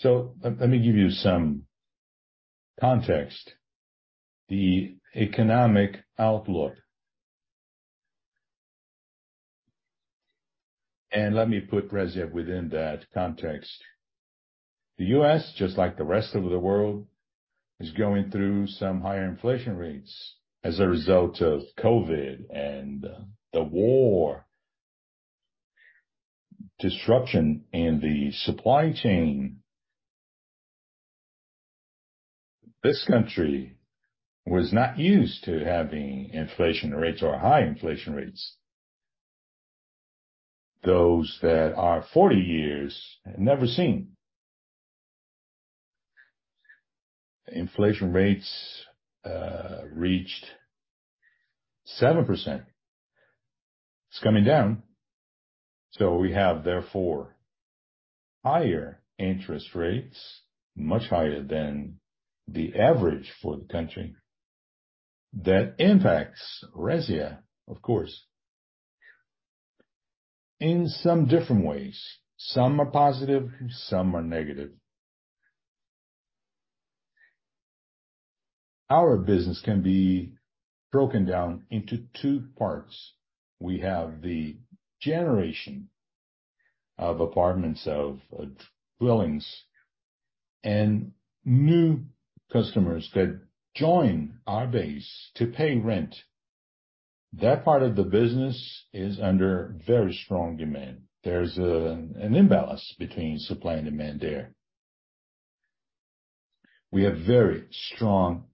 give you some context. The economic outlook. Let me put Resia within that context. The U.S., just like the rest of the world, is going through some higher inflation rates as a result of COVID and the war. Disruption in the supply chain. This country was not used to having inflation rates or high inflation rates. Those that are 40 years have never seen. Inflation rates reached 7%. It's coming down. We have, therefore, higher interest rates, much higher than the average for the country. That impacts Resia, of course, in some different ways. Some are positive, some are negative. Our business can be broken down into two parts. We have the generation of apartments, of dwellings and new customers that join our base to pay rent. That part of the business is under very strong demand. There's an imbalance between supply and demand there. We have very strong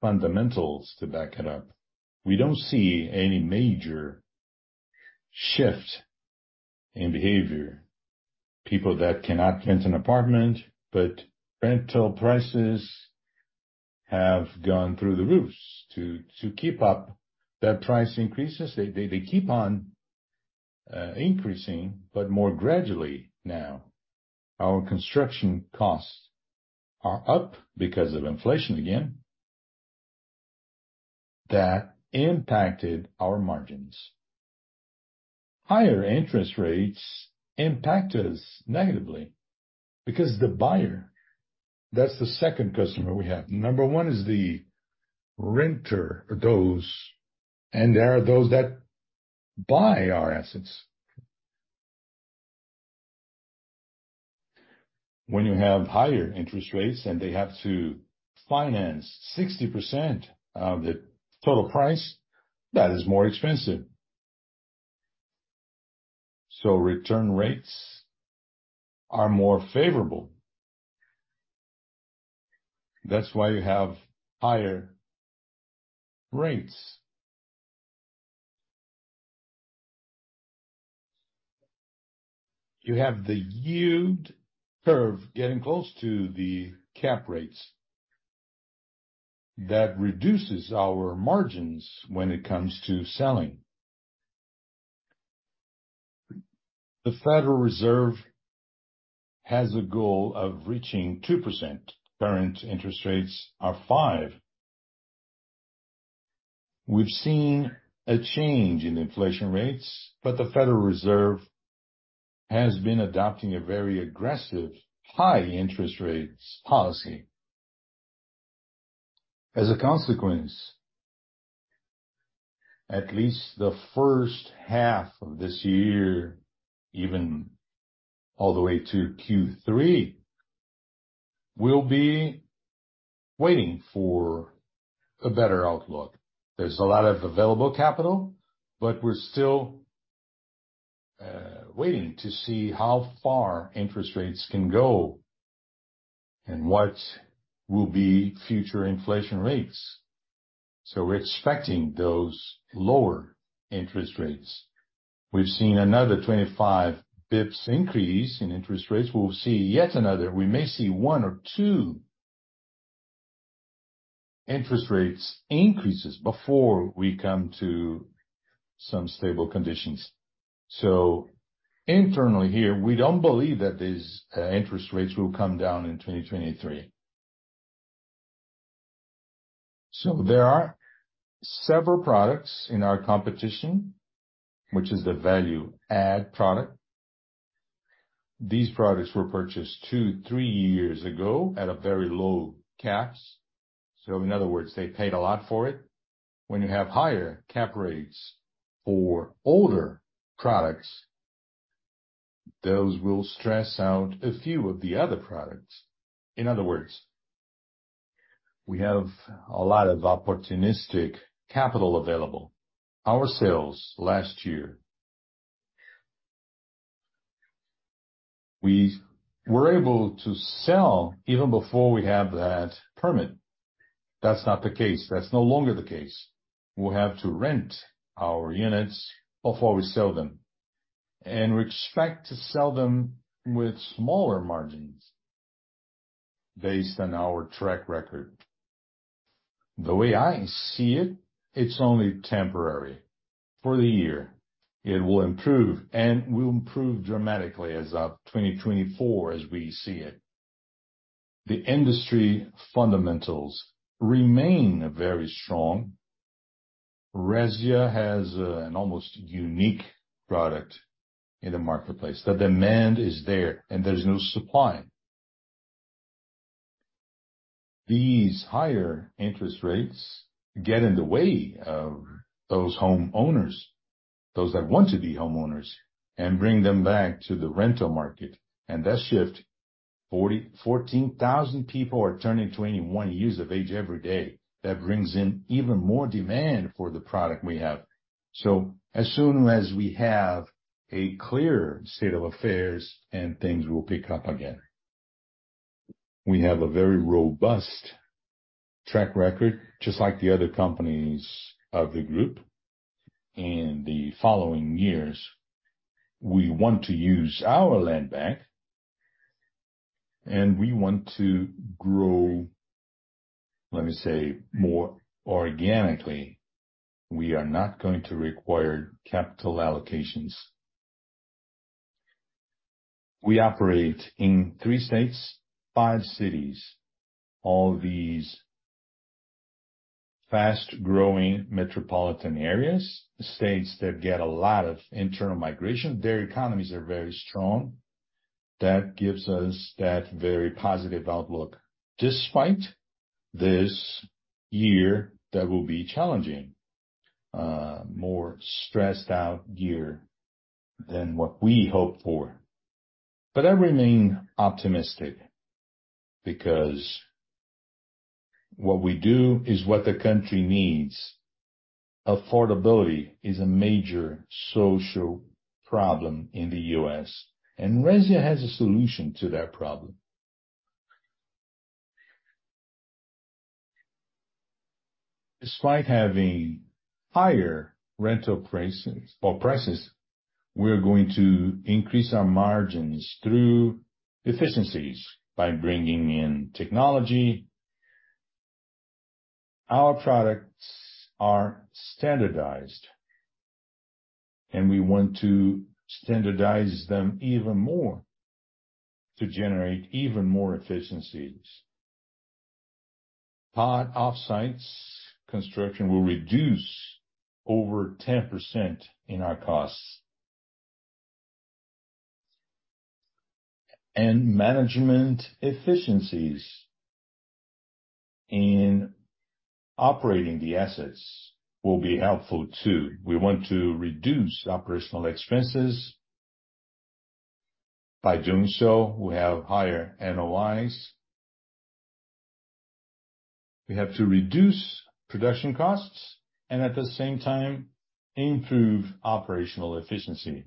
fundamentals to back it up. We don't see any major shift in behavior. People that cannot rent an apartment, but rental prices have gone through the roofs to keep up that price increases. They keep on increasing, but more gradually now. Our construction costs are up because of inflation again. That impacted our margins. Higher interest rates impact us negatively because the buyer, that's the second customer we have. Number one is the renter or those, and there are those that buy our assets. When you have higher interest rates and they have to finance 60% of the total price, that is more expensive. Return rates are more favorable. That's why you have higher rates. You have the yield curve getting close to the cap rates. That reduces our margins when it comes to selling. The Federal Reserve has a goal of reaching 2%. Current interest rates are 5%. We've seen a change in inflation rates, but the Federal Reserve has been adopting a very aggressive high interest rates policy. As a consequence, at least the first half of this year, even all the way to Q3, we'll be waiting for a better outlook. There's a lot of available capital, we're still waiting to see how far interest rates can go and what will be future inflation rates. We're expecting those lower interest rates. We've seen another 25 bps increase in interest rates. We'll see yet another. We may see one or two interest rates increases before we come to some stable conditions. Internally here, we don't believe that these interest rates will come down in 2023. There are several products in our competition, which is the value add product. These products were purchased two, three years ago at a very low caps. In other words, they paid a lot for it. When you have higher cap rates for older products, those will stress out a few of the other products. In other words, we have a lot of opportunistic capital available. Our sales last year, we were able to sell even before we have that permit. That's not the case. That's no longer the case. We'll have to rent our units before we sell them, and we expect to sell them with smaller margins based on our track record. The way I see it's only temporary for the year. It will improve and will improve dramatically as of 2024 as we see it. The industry fundamentals remain very strong. Resia has an almost unique product in the marketplace. The demand is there and there's no supply. These higher interest rates get in the way of those homeowners, those that want to be homeowners, and bring them back to the rental market. That shift, 14,000 people are turning 21 years of age every day. That brings in even more demand for the product we have. As soon as we have a clear state of affairs and things will pick up again. We have a very robust track record, just like the other companies of the group. In the following years, we want to use our land bank and we want to grow, let me say, more organically. We are not going to require capital allocations. We operate in 3 states, 5 cities. All these fast-growing metropolitan areas, states that get a lot of internal migration, their economies are very strong. That gives us that very positive outlook. Despite this year that will be challenging, more stressed out year than what we hoped for. I remain optimistic because what we do is what the country needs. Affordability is a major social problem in the US, and Resia has a solution to that problem. Despite having higher rental prices-- or prices, we're going to increase our margins through efficiencies by bringing in technology. Our products are standardized, and we want to standardize them even more to generate even more efficiencies. Part off-sites construction will reduce over 10% in our costs. Management efficiencies in operating the assets will be helpful too. We want to reduce operational expenses. By doing so, we have higher NOIs. We have to reduce production costs and at the same time, improve operational efficiency.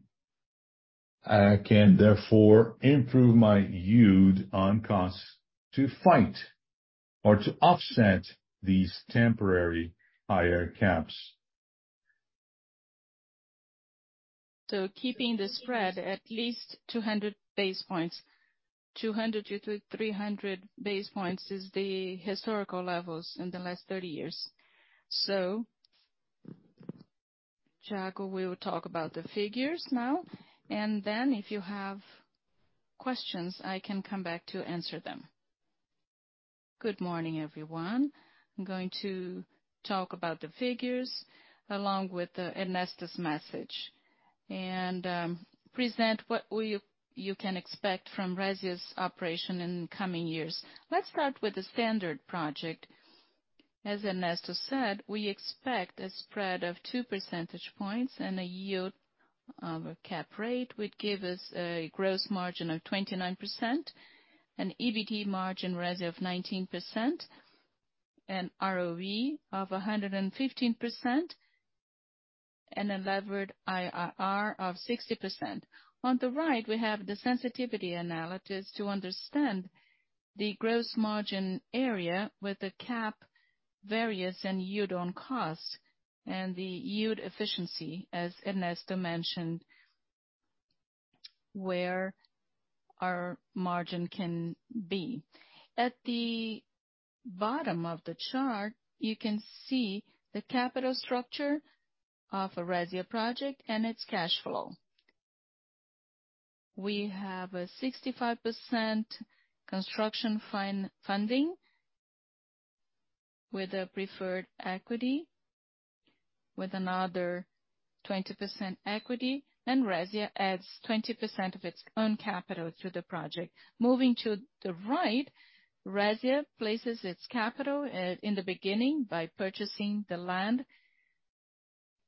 I can therefore improve my yield on costs to fight or to offset these temporary higher caps. Keeping the spread at least 200 basis points. 200-300 basis points is the historical levels in the last 30 years. Jacob will talk about the figures now, and then if you have questions, I can come back to answer them. Good morning, everyone. I'm going to talk about the figures along with Ernesto's message and present what you can expect from Resia's operation in the coming years. Let's start with the standard project. As Ernesto said, we expect a spread of 2 percentage points and a yield of a cap rate, which give us a gross margin of 29%, an EBT margin Resia of 19%, an ROE of 115%, and a levered IRR of 60%. On the right, we have the sensitivity analysis to understand the gross margin area with the cap rates and yield on cost and the yield efficiency, as Ernesto mentioned, where our margin can be. At the bottom of the chart, you can see the capital structure of a Resia project and its cash flow. We have a 65% construction fund-funding with a preferred equity, with another 20% equity, and Resia adds 20% of its own capital to the project. Moving to the right, Resia places its capital in the beginning by purchasing the land,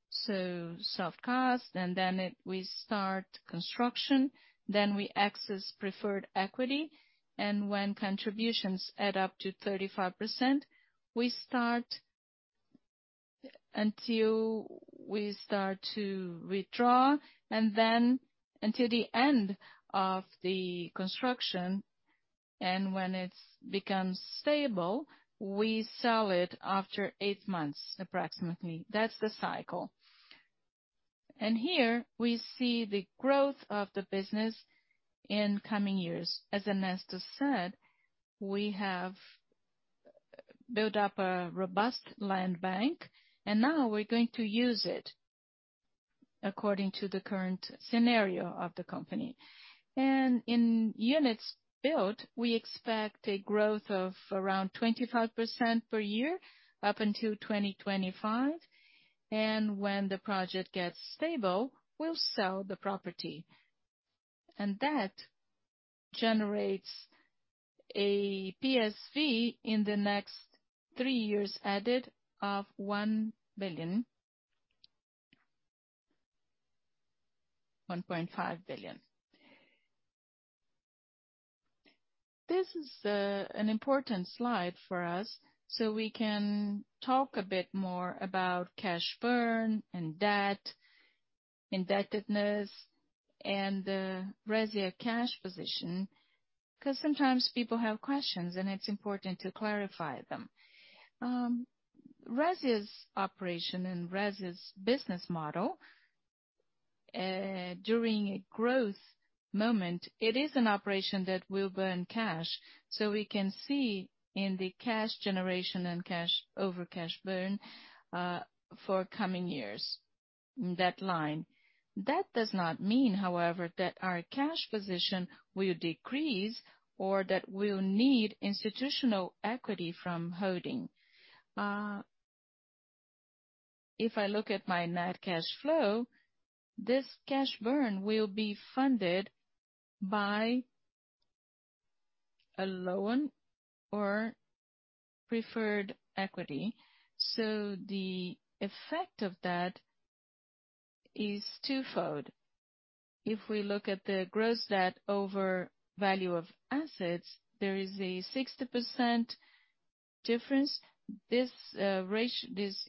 so soft cost, and then we start construction, then we access preferred equity. When contributions add up to 35%, Until we start to withdraw, and then until the end of the construction, and when it's become stable, we sell it after 8 months, approximately. That's the cycle. Here we see the growth of the business in coming years. As Ernesto said, we have built up a robust land bank, now we're going to use it according to the current scenario of the company. In units built, we expect a growth of around 25% per year up until 2025. When the project gets stable, we'll sell the property. That generates a PSV in the next 3 years added of 1.5 billion. This is an important slide for us, so we can talk a bit more about cash burn and debt, indebtedness, and Resia cash position, 'cause sometimes people have questions, and it's important to clarify them. Resia's operation and Resia's business model, during a growth moment, it is an operation that will burn cash. We can see in the cash generation and cash over cash burn for coming years in that line. That does not mean, however, that our cash position will decrease or that we'll need institutional equity from holding. If I look at my net cash flow, this cash burn will be funded by a loan or preferred equity. The effect of that is twofold. If we look at the gross debt over value of assets, there is a 60% difference. This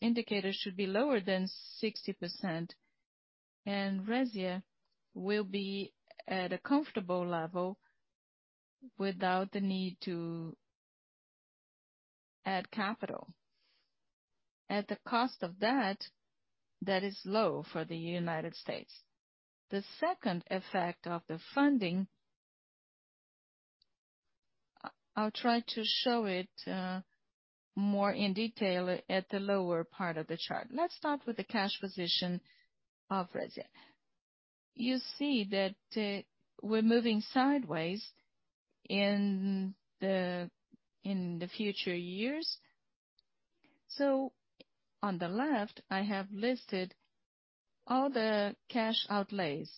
indicator should be lower than 60%, and Resia will be at a comfortable level without the need to add capital. At the cost of that is low for the United States. The second effect of the funding, I'll try to show it more in detail at the lower part of the chart. Let's start with the cash position of Resia. You see that, we're moving sideways in the, in the future years. On the left, I have listed all the cash outlays: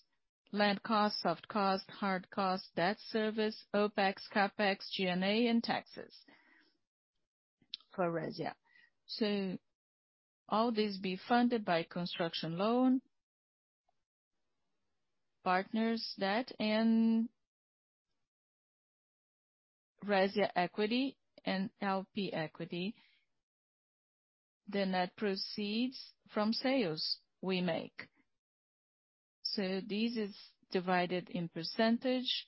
land costs, soft costs, hard costs, debt service, OpEx, CapEx, G&A, and taxes for Resia. All this be funded by construction loan, partners debt, and Resia equity and LP equity. The net proceeds from sales we make. This is divided in percentage.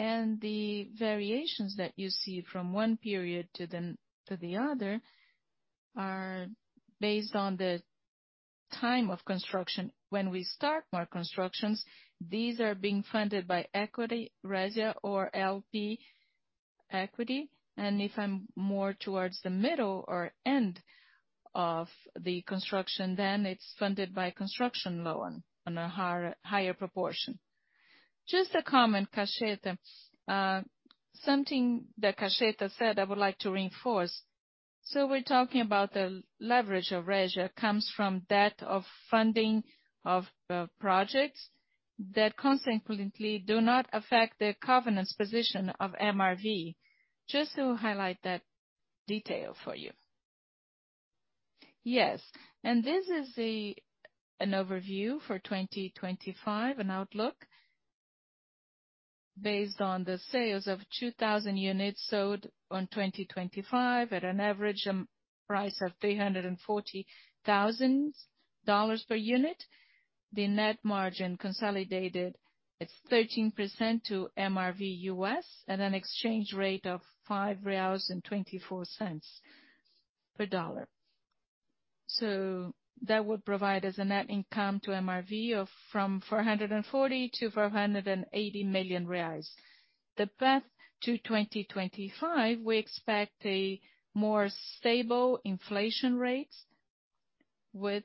The variations that you see from one period to the, to the other are based on the time of construction. When we start more constructions, these are being funded by equity, Resia or LP equity. If I'm more towards the middle or end of the construction, it's funded by construction loan on a higher proportion. Just a comment, Caxeta. Something that Caxeta said, I would like to reinforce. We're talking about the leverage of Resia comes from debt of funding of projects that consequently do not affect the covenants position of MRV. Just to highlight that detail for you. Yes. This is an overview for 2025, an outlook based on the sales of 2,000 units sold on 2025 at an average price of $340,000 per unit. The net margin consolidated is 13% to MRV US at an exchange rate of 5.24 reais per dollar. That would provide us a net income to MRV of from 440 million-480 million reais. The path to 2025, we expect a more stable inflation rates with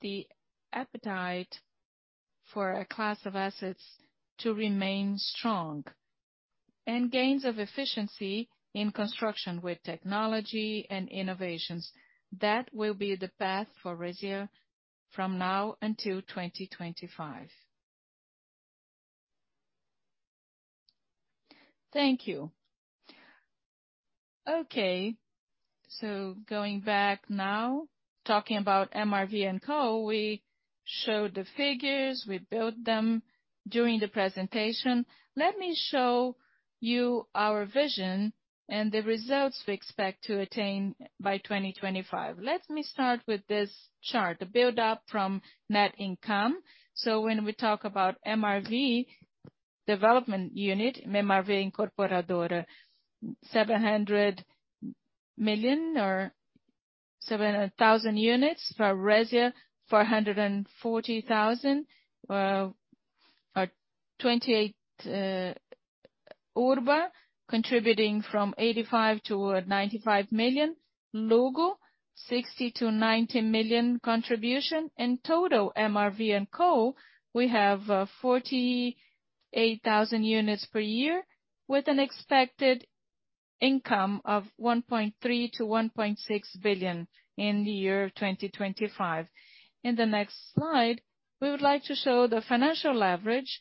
the appetite for a class of assets to remain strong and gains of efficiency in construction with technology and innovations. That will be the path for Resia from now until 2025. Thank you. Going back now, talking about MRV & Co, show the figures we built them during the presentation. Let me show you our vision and the results we expect to attain by 2025. Let me start with this chart, the buildup from net income. When we talk about MRV development unit, MRV Incorporadora, 700 million or 700,000 units. For Resia, 440,000 or 28, Urba contributing from 85 million-95 million. Luggo, 60 million-90 million contribution. In total, MRV & Co, we have 48,000 units per year, with an expected income of 1.3 billion-1.6 billion in the year 2025. In the next slide, we would like to show the financial leverage.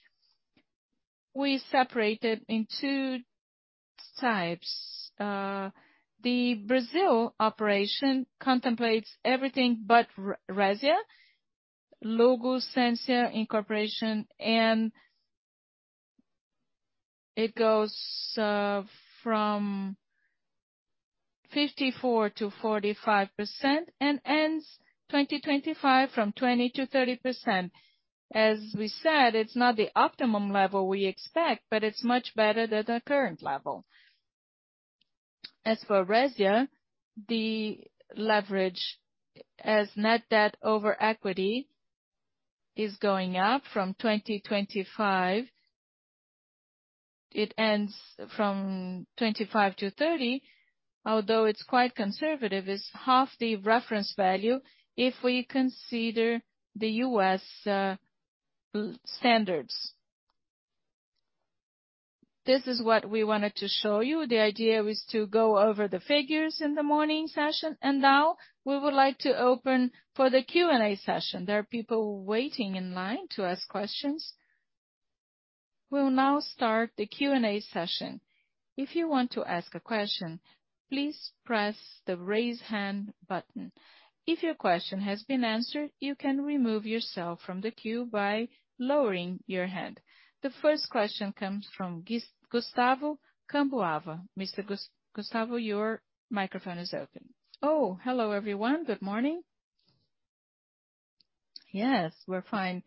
We separated in two types. The Brazil operation contemplates everything but Resia, Luggo, Sensia Incorporation, and it goes from 54%-45% and ends 2025 from 20%-30%. We said, it's not the optimum level we expect, but it's much better than the current level. For Resia, the leverage as net debt over equity is going up from 2025. It ends from 25%-30%. It's quite conservative, it's half the reference value if we consider the U.S. standards. This is what we wanted to show you. The idea was to go over the figures in the morning session. Now we would like to open for the Q&A session. There are people waiting in line to ask questions. We'll now start the Q&A session. If you want to ask a question, please press the Raise Hand button. If your question has been answered, you can remove yourself from the queue by lowering your hand. The first question comes from Gustavo Cambauva. Mr. Gustavo, your microphone is open. Hello, everyone. Good morning. Yes, we're fine.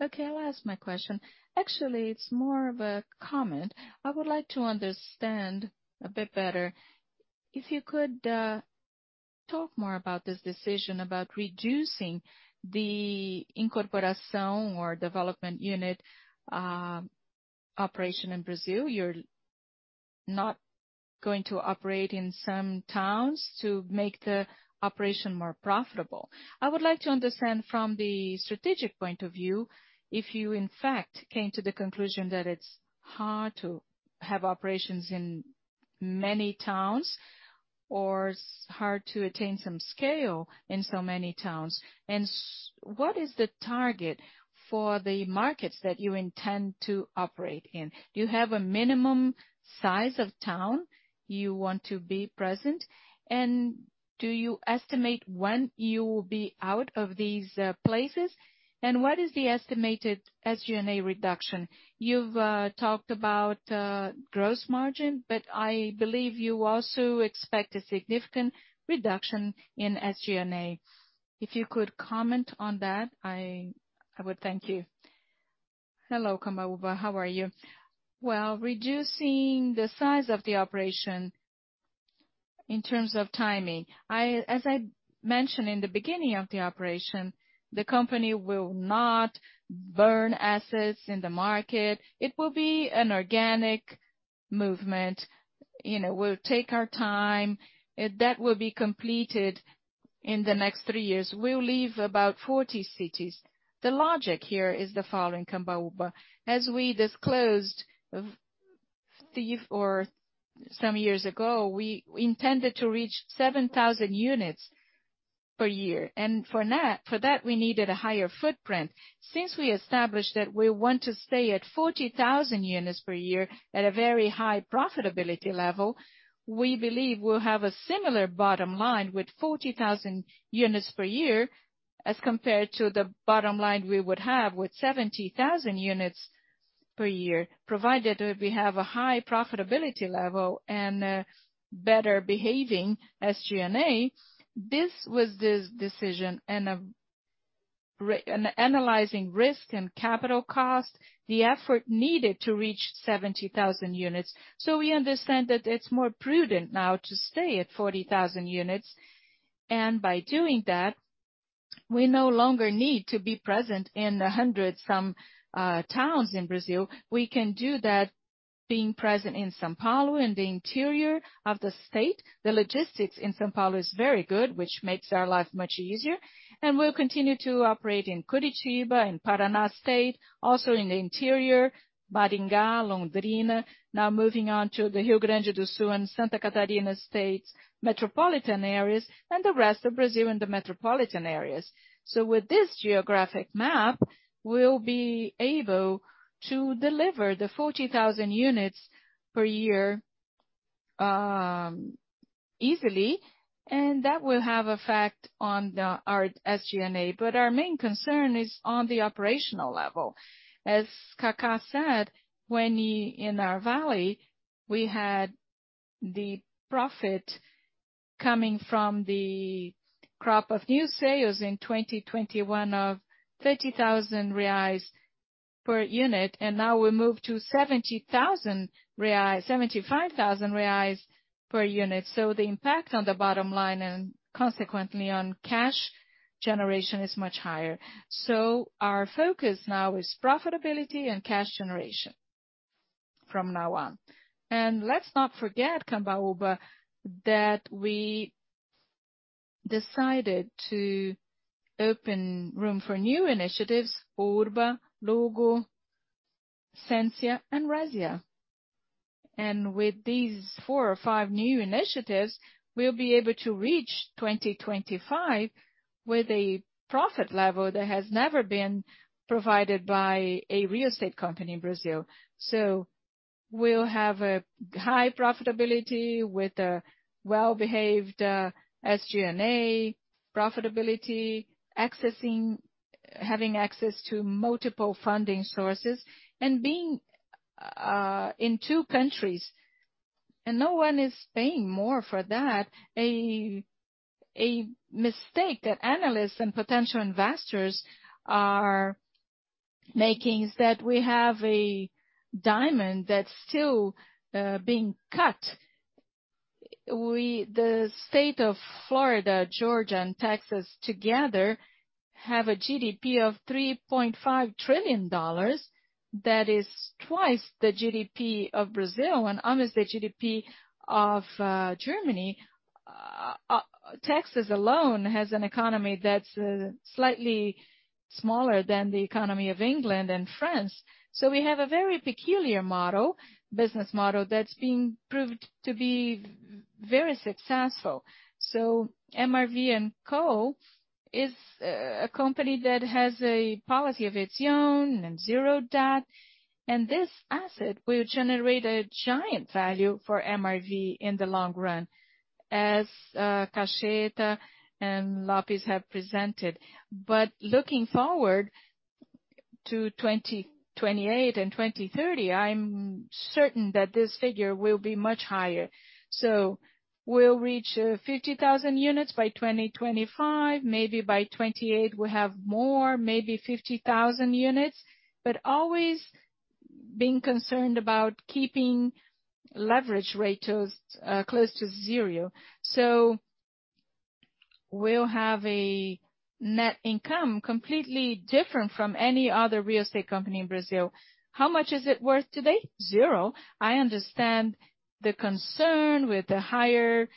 Okay, I'll ask my question. Actually, it's more of a comment. I would like to understand a bit better if you could talk more about this decision about reducing the Incorporação or development unit operation in Brazil. You're not going to operate in some towns to make the operation more profitable. I would like to understand from the strategic point of view if you, in fact, came to the conclusion that it's hard to have operations in many towns or it's hard to attain some scale in so many towns. What is the target for the markets that you intend to operate in? Do you have a minimum size of town you want to be present? Do you estimate when you will be out of these places? What is the estimated SG&A reduction? You've talked about gross margin, but I believe you also expect a significant reduction in SG&A. If you could comment on that, I would thank you. Hello, Cambauva. How are you? Well, reducing the size of the operation in terms of timing. As I mentioned in the beginning of the operation, the company will not burn assets in the market. It will be an organic movement. You know, we'll take our time. That will be completed in the next 3 years. We'll leave about 40 cities. The logic here is the following, Cambauva. As we disclosed 15 or some years ago, we intended to reach 7,000 units per year. For that, we needed a higher footprint. Since we established that we want to stay at 40,000 units per year at a very high profitability level, we believe we'll have a similar bottom line with 40,000 units per year as compared to the bottom line we would have with 70,000 units per year, provided that we have a high profitability level and a better behaving SG&A. This was the decision and analyzing risk and capital cost, the effort needed to reach 70,000 units. We understand that it's more prudent now to stay at 40,000 units. By doing that, we no longer need to be present in the 100 some towns in Brazil. We can do that being present in São Paulo, in the interior of the state. The logistics in São Paulo is very good, which makes our life much easier. We'll continue to operate in Curitiba, in Paraná state, also in the interior, Maringá, Londrina, now moving on to the Rio Grande do Sul and Santa Catarina states, metropolitan areas, and the rest of Brazil and the metropolitan areas. With this geographic map, we'll be able to deliver the 40,000 units per year easily. That will have effect on our SG&A. Our main concern is on the operational level. As Cacá said, when in our valley, we had the profit coming from the crop of new sales in 2021 of 30,000 reais per unit, and now we move to 75,000 reais per unit. The impact on the bottom line and consequently on cash generation is much higher. Our focus now is profitability and cash generation from now on. Let's not forget, Cambaúba, that we decided to open room for new initiatives, Urba, Luggo, Sensia and Resia. With these 4 or 5 new initiatives, we'll be able to reach 2025 with a profit level that has never been provided by a real estate company in Brazil. We'll have a high profitability with a well-behaved SG&A profitability, having access to multiple funding sources and being in 2 countries. No one is paying more for that. A mistake that analysts and potential investors are making is that we have a diamond that's still being cut. The state of Florida, Georgia and Texas together have a GDP of $3.5 trillion. That is twice the GDP of Brazil and almost the GDP of Germany. Texas alone has an economy that's slightly smaller than the economy of England and France. We have a very peculiar model, business model that's being proved to be very successful. MRV&Co is a company that has a policy of its own and zero debt, and this asset will generate a giant value for MRV in the long run, as Caixeta and Lopes have presented. Looking forward to 2028 and 2030, I'm certain that this figure will be much higher. We'll reach 50,000 units by 2025. Maybe by 28 we'll have more, maybe 50,000 units. Always being concerned about keeping leverage ratios close to zero. We'll have a net income completely different from any other real estate company in Brazil. How much is it worth today? zero. I understand the concern with the higher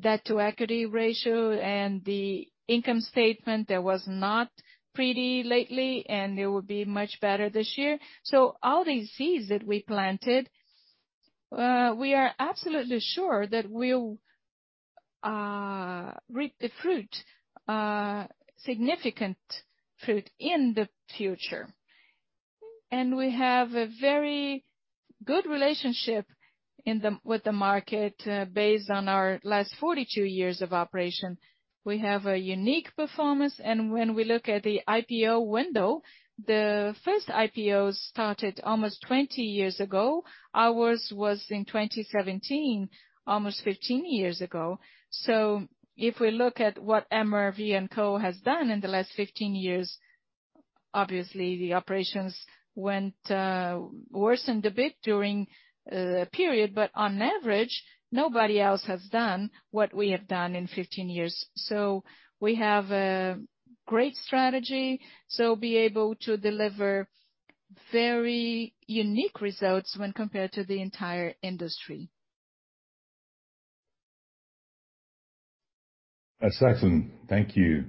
debt-to-equity ratio and the income statement that was not pretty lately, and it will be much better this year. All these seeds that we planted, we are absolutely sure that we'll reap the fruit, significant fruit in the future. We have a very good relationship with the market, based on our last 42 years of operation. We have a unique performance. When we look at the IPO window, the first IPO started almost 20 years ago. Ours was in 2017, almost 15 years ago. If we look at what MRV&CO has done in the last 15 years, obviously the operations went, worsened a bit during the period. On average, nobody else has done what we have done in 15 years. We have a great strategy. Be able to deliver very unique results when compared to the entire industry. Excellent. Thank you.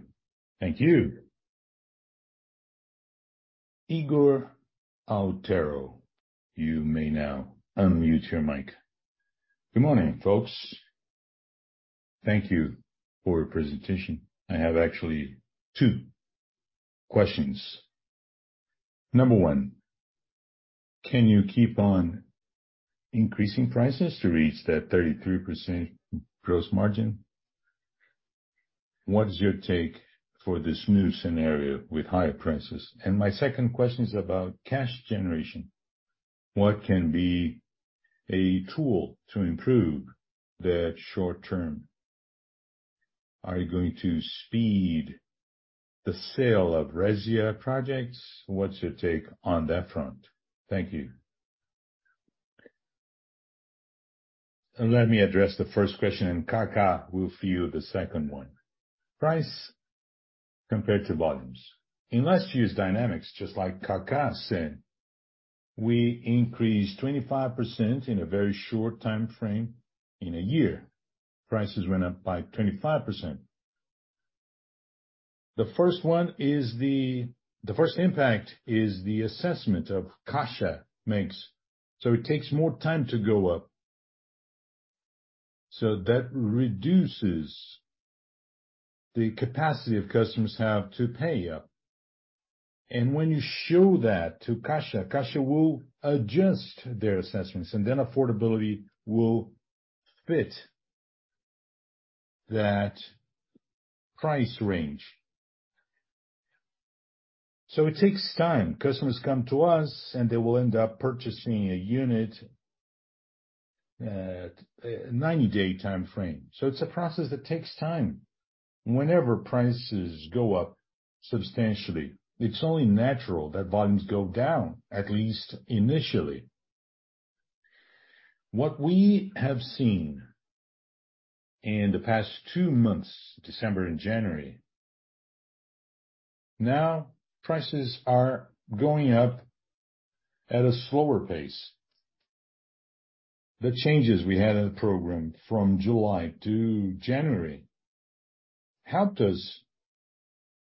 Thank you. Ygor Altero, you may now unmute your mic. Good morning, folks. Thank you for your presentation. I have actually 2 questions. Number 1, can you keep on increasing prices to reach that 33% gross margin? What is your take for this new scenario with higher prices? My second question is about cash generation. What can be a tool to improve the short term? Are you going to speed the sale of Resia projects? What's your take on that front? Thank you. Let me address the first question and Cacá will field the second one. Price compared to volumes. In last year's dynamics, just like Cacá said, we increased 25% in a very short timeframe. In a year, prices went up by 25%. The first one is The first impact is the assessment of cash makes. It takes more time to go up. That reduces- The capacity of customers have to pay you. When you show that to Caixa will adjust their assessments, and then affordability will fit that price range. It takes time. Customers come to us, and they will end up purchasing a unit at a 90-day time frame. It's a process that takes time. Whenever prices go up substantially, it's only natural that volumes go down, at least initially. What we have seen in the past 2 months, December and January, now prices are going up at a slower pace. The changes we had in the program from July to January helped us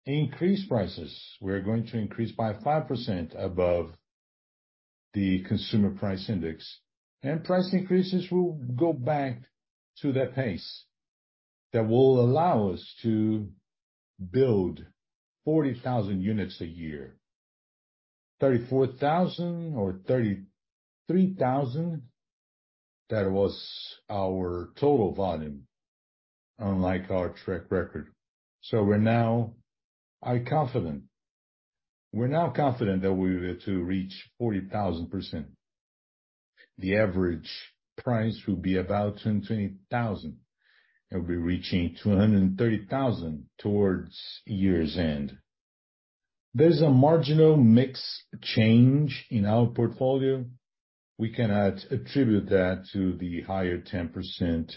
increase prices. We're going to increase by 5% above the consumer price index, and price increases will go back to that pace that will allow us to build 40,000 units a year. 34,000 or 33,000, that was our total volume, unlike our track record. We're now confident that we were to reach 40,000%. The average price will be about BRL 220,000, and we're reaching 230,000 towards year's end. There's a marginal mix change in our portfolio. We cannot attribute that to the higher 10%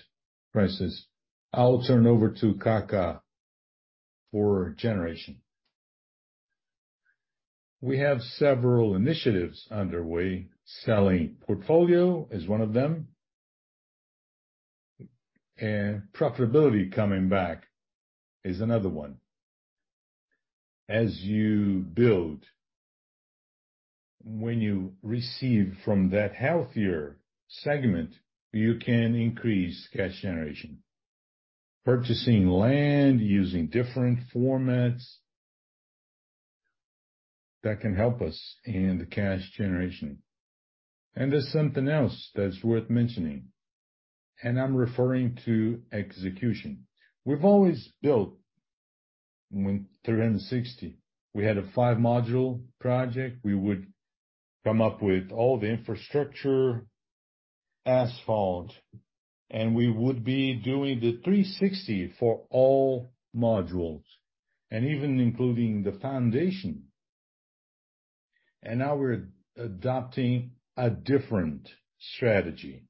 prices. I'll turn over to Cacá for generation. We have several initiatives underway. Selling portfolio is one of them, and profitability coming back is another one. As you build, when you receive from that healthier segment, you can increase cash generation. Purchasing land using different formats, that can help us in the cash generation. There's something else that's worth mentioning, and I'm referring to execution. We've always built 360. We had a 5-module project. We would come up with all the infrastructure, asphalt, and we would be doing the 360 for all modules, and even including the foundation. Now we're adopting a different strategy.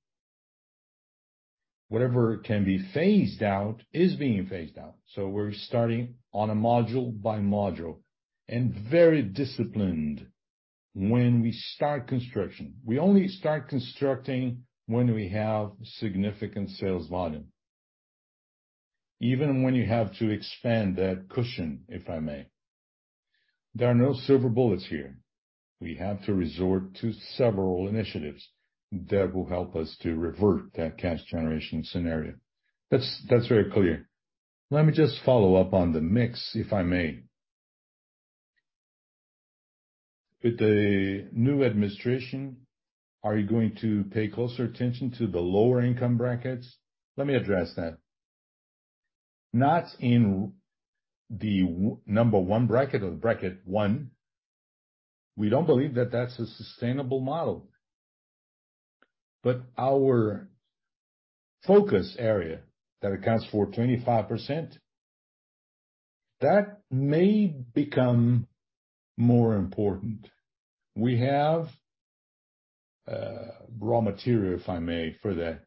Whatever can be phased out is being phased out. We're starting on a module by module and very disciplined when we start construction. We only start constructing when we have significant sales volume. Even when you have to expand that cushion, if I may. There are no silver bullets here. We have to resort to several initiatives that will help us to revert that cash generation scenario. That's very clear. Let me just follow up on the mix, if I may. With the new administration, are you going to pay closer attention to the lower income brackets? Let me address that. Not in the number 1 bracket or bracket 1. We don't believe that that's a sustainable model. Our focus area that accounts for 25%, that may become more important. We have raw material, if I may, for that.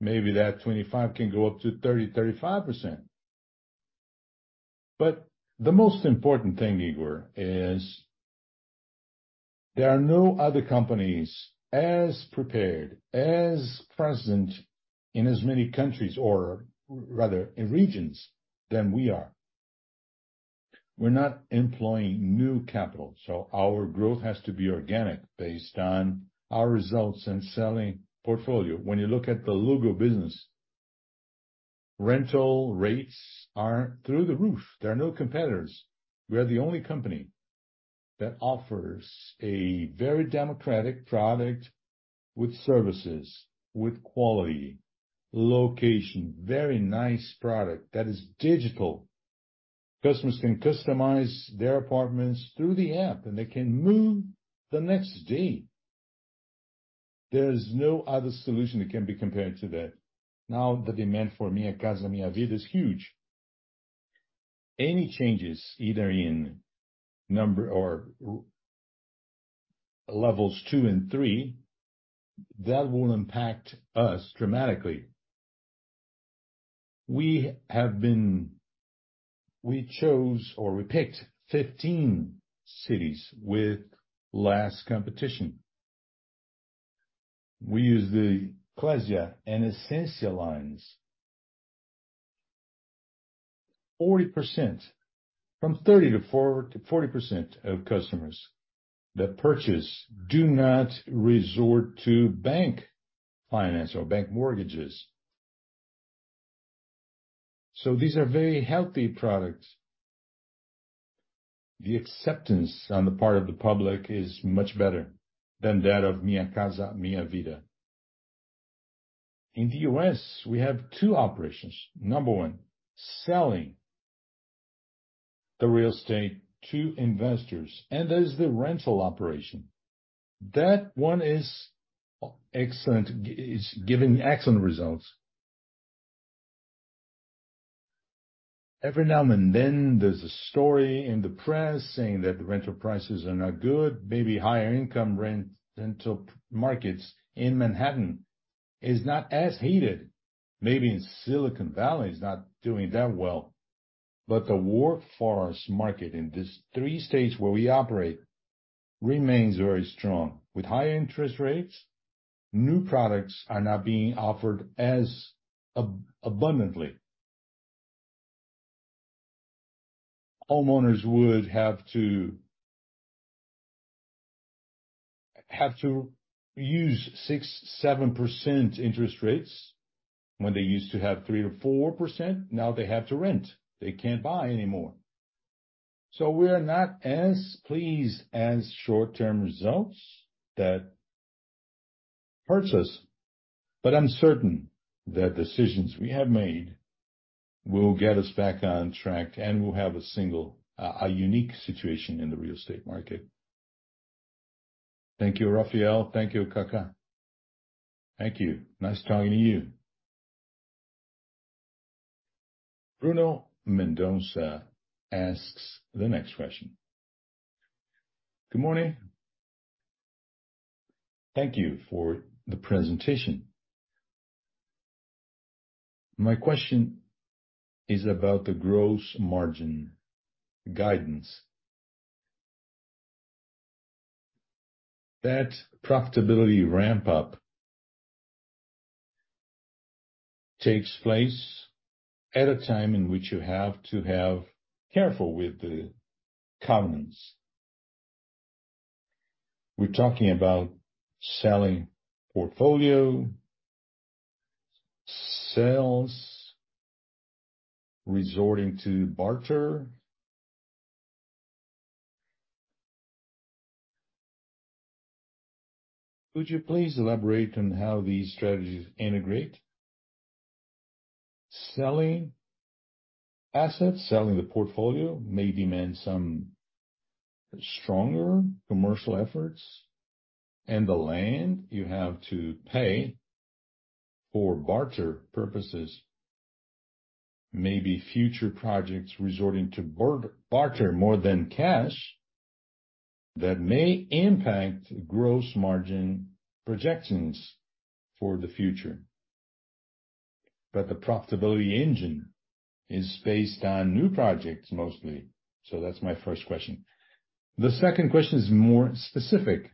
Maybe that 2025 can go up to 30, 35%. The most important thing, Igor, is there are no other companies as prepared, as present in as many countries or rather in regions than we are. We're not employing new capital, so our growth has to be organic based on our results and selling portfolio. When you look at the Luggo business, rental rates are through the roof. There are no competitors. We are the only company that offers a very democratic product with services, with quality, location, very nice product that is digital. Customers can customize their apartments through the app, and they can move the next day. There is no other solution that can be compared to that. The demand for Minha Casa, Minha Vida is huge. Any changes, either in number or levels 2 and 3, that will impact us dramatically. We chose or we picked 15 cities with less competition. We use the Class and Essence lines. From 30% to 40% of customers that purchase do not resort to bank finance or bank mortgages. These are very healthy products. The acceptance on the part of the public is much better than that of Minha Casa, Minha Vida. In the U.S., we have 2 operations. Number 1, selling the real estate to investors, and there's the rental operation. That 1 is excellent. It's giving excellent results. Every now and then, there's a story in the press saying that the rental prices are not good. Maybe higher income rental markets in Manhattan is not as heated. Maybe in Silicon Valley is not doing that well. The workforce market in these three states where we operate remains very strong. With high interest rates, new products are not being offered as abundantly. Homeowners would have to use 6%, 7% interest rates when they used to have 3%-4%. Now they have to rent. They can't buy anymore. We are not as pleased as short-term results. That hurts us, but I'm certain the decisions we have made will get us back on track, and we'll have a single, a unique situation in the real estate market. Thank you, Rafael. Thank you, Cacá. Thank you. Nice talking to you. Bruno Mendonça asks the next question. Good morning. Thank you for the presentation. My question is about the gross margin guidance. That profitability ramp up takes place at a time in which you have to have careful with the covenants. We're talking about selling portfolio, sales, resorting to barter. Could you please elaborate on how these strategies integrate? Selling assets, selling the portfolio may demand some stronger commercial efforts. The land you have to pay for barter purposes may be future projects resorting to barter more than cash. That may impact gross margin projections for the future. The profitability engine is based on new projects mostly. That's my first question. The second question is more specific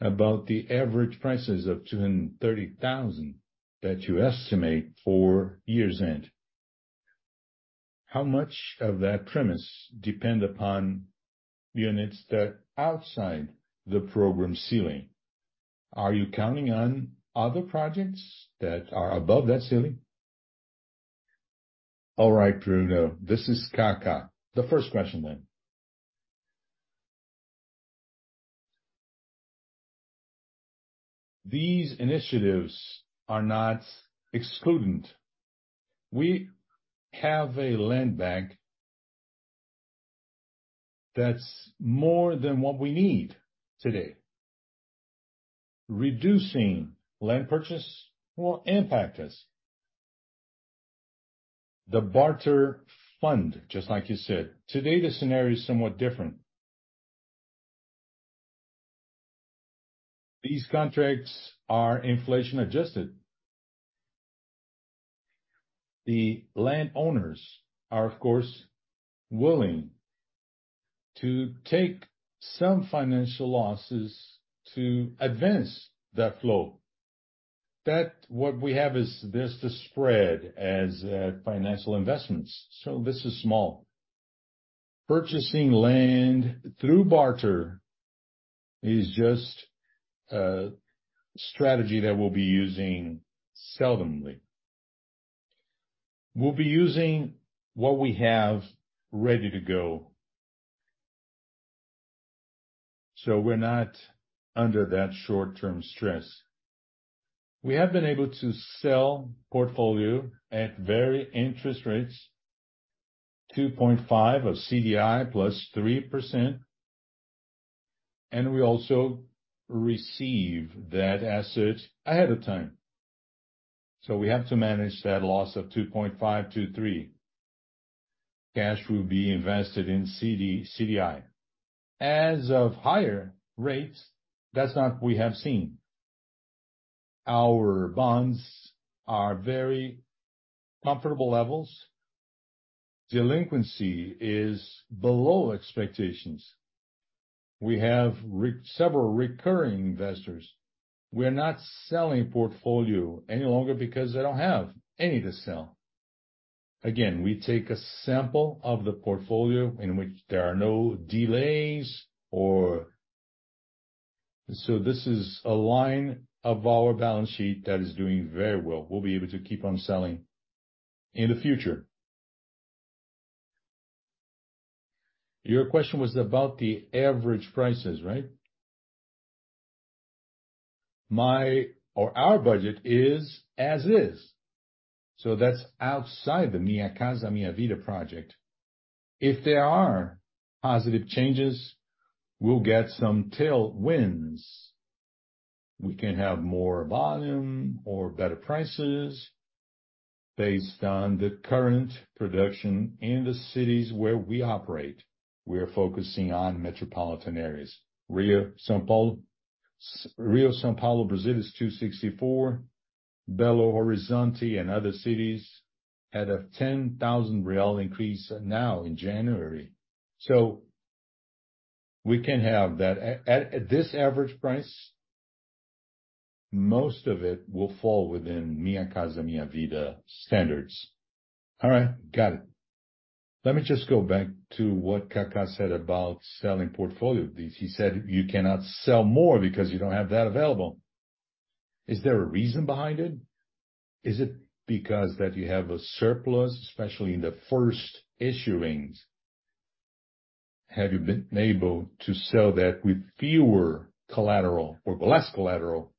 about the average prices of 230,000 that you estimate for year's end. How much of that premise depend upon units that are outside the program ceiling? Are you counting on other projects that are above that ceiling? All right, Bruno, this is Cacá. The first question then. These initiatives are not excludant. We have a land bank that's more than what we need today. Reducing land purchase will impact us. The barter fund, just like you said, today the scenario is somewhat different. These contracts are inflation-adjusted. The landowners are, of course, willing to take some financial losses to advance that flow. That what we have is just a spread as financial investments. This is small. Purchasing land through barter is just a strategy that we'll be using seldomly. We'll be using what we have ready to go, so we're not under that short-term stress. We have been able to sell portfolio at very interest rates, 2.5 of CDI plus 3%, and we also receive that asset ahead of time. We have to manage that loss of 2.5%-3%. Cash will be invested in CDI. As of higher rates, that's not we have seen. Our bonds are very comfortable levels. Delinquency is below expectations. We have several recurring investors. We're not selling portfolio any longer because they don't have any to sell. This is a line of our balance sheet that is doing very well. We'll be able to keep on selling in the future. Your question was about the average prices, right? My or our budget is as is. That's outside the Minha Casa, Minha Vida project. If there are positive changes, we'll get some tailwinds. We can have more volume or better prices based on the current production in the cities where we operate. We are focusing on metropolitan areas. Rio, São Paulo. Rio, São Paulo, Brazil is 264. Belo Horizonte and other cities had a 10,000 real increase now in January. We can have that. At this average price, most of it will fall within Minha Casa, Minha Vida standards. All right. Got it. Let me just go back to what Cacá said about selling portfolio. He said you cannot sell more because you don't have that available. Is there a reason behind it? Is it because that you have a surplus, especially in the first issuings? Have you been able to sell that with fewer collateral or less collateral?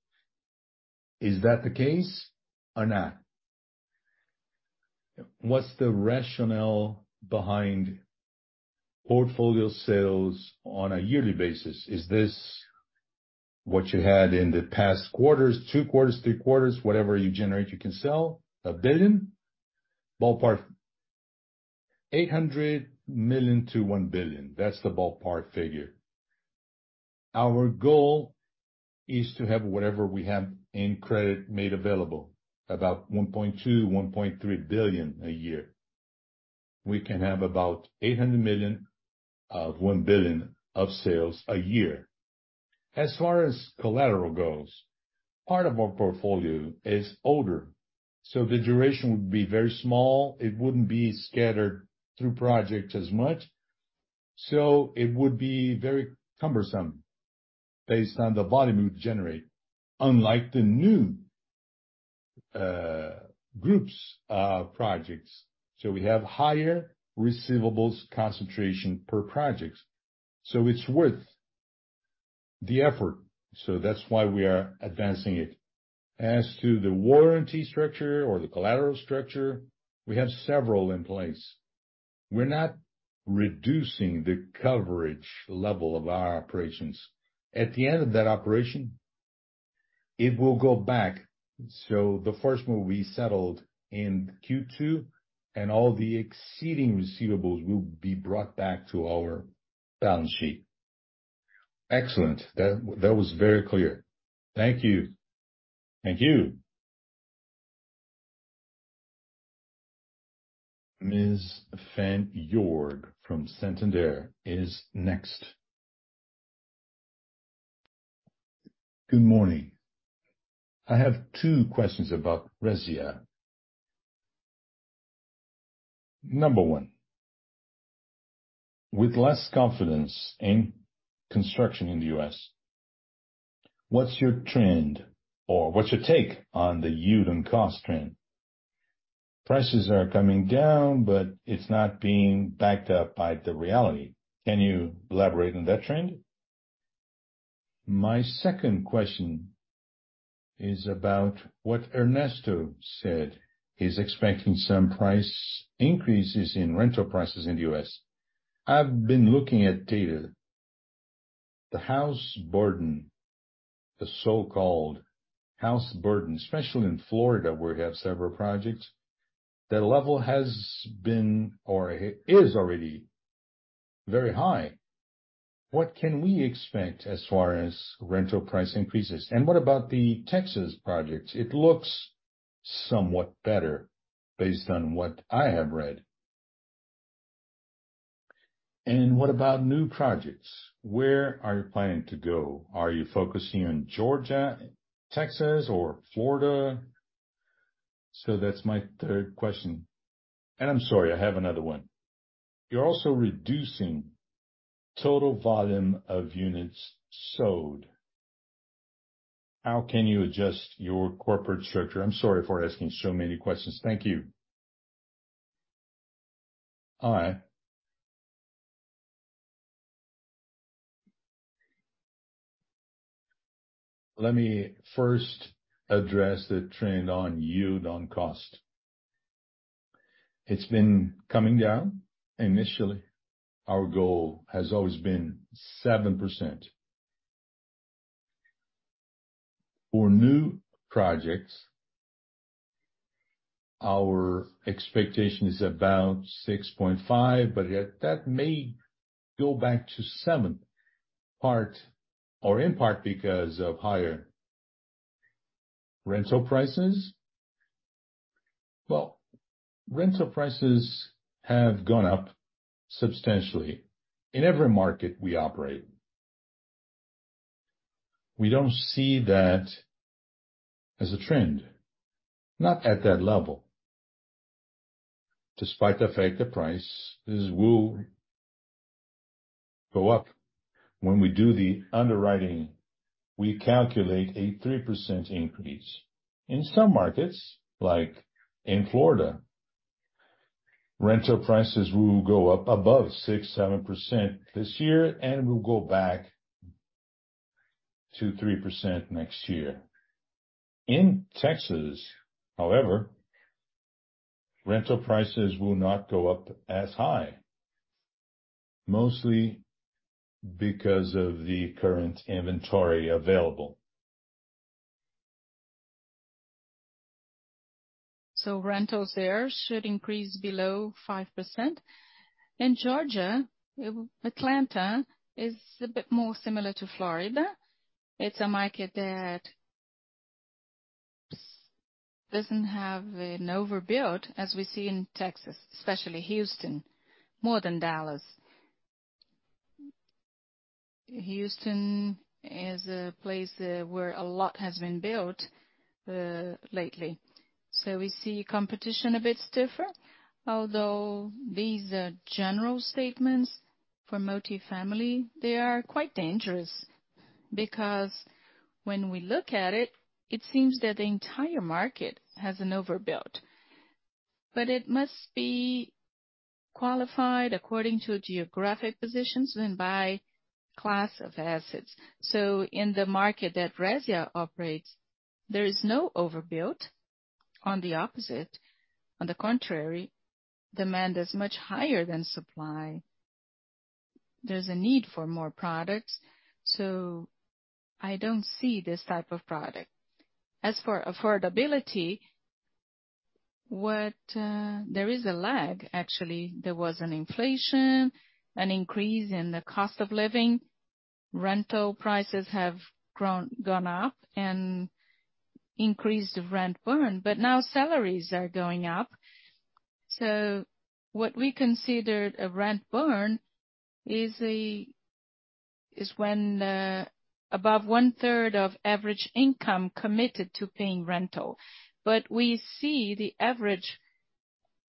Is that the case or not? What's the rationale behind portfolio sales on a yearly basis? Is this what you had in the past quarters, two quarters, three quarters? Whatever you generate, you can sell, 1 billion? Ballpark, 800 million-1 billion. That's the ballpark figure. Our goal is to have whatever we have in credit made available, about 1.2 billion-1.3 billion a year. We can have about 800 million of 1 billion of sales a year. Far as collateral goes, part of our portfolio is older, so the duration would be very small. It wouldn't be scattered through projects as much, it would be very cumbersome based on the volume we would generate. Unlike the new groups, projects. We have higher receivables concentration per projects, so it's worth the effort. That's why we are advancing it. To the warranty structure or the collateral structure, we have several in place. We're not reducing the coverage level of our operations. At the end of that operation, it will go back. The first one will be settled in Q2, and all the exceeding receivables will be brought back to our balance sheet. Excellent. That was very clear. Thank you. Thank you. Ms. Fanny Oreng from Santander is next. Good morning. I have 2 questions about Resia. Number 1, with less confidence in construction in the U.S., what's your trend or what's your take on the yield on cost trend? Prices are coming down, but it's not being backed up by the reality. Can you elaborate on that trend? My second question is about what Ernesto said. He's expecting some price increases in rental prices in the U.S. I've been looking at data. The house burden, the so-called house burden, especially in Florida, where we have several projects, that level has been or is already very high. What can we expect as far as rental price increases? What about the Texas projects? It looks somewhat better based on what I have read. What about new projects? Where are you planning to go? Are you focusing on Georgia, Texas or Florida? That's my third question. I'm sorry, I have another one. You're also reducing total volume of units sold. How can you adjust your corporate structure? I'm sorry for asking so many questions. Thank you. Hi. Let me first address the trend on yield on cost. It's been coming down. Initially, our goal has always been 7%. For new projects, our expectation is about 6.5, but yet that may go back to 7, part or in part because of higher rental prices. Well, rental prices have gone up substantially in every market we operate. We don't see that as a trend, not at that level. Despite the fact the prices will go up. When we do the underwriting, we calculate a 3% increase. In some markets, like in Florida, rental prices will go up above 6%, 7% this year, and will go back to 3% next year. In Texas, however, rental prices will not go up as high, mostly because of the current inventory available. Rentals there should increase below 5%. In Georgia, Atlanta is a bit more similar to Florida. It's a market that doesn't have an overbuild as we see in Texas, especially Houston, more than Dallas. Houston is a place where a lot has been built lately. We see competition a bit stiffer. Although these are general statements for multifamily, they are quite dangerous because when we look at it seems that the entire market has an overbuild. It must be qualified according to geographic positions and by class of assets. In the market that Resia operates, there is no overbuild. On the opposite, on the contrary, demand is much higher than supply. There's a need for more products, so I don't see this type of product. As for affordability, there is a lag, actually. There was an inflation, an increase in the cost of living. Rental prices have gone up and increased the rent burden. Now salaries are going up. What we considered a rent burden is when above 1/3 of average income committed to paying rental. We see the average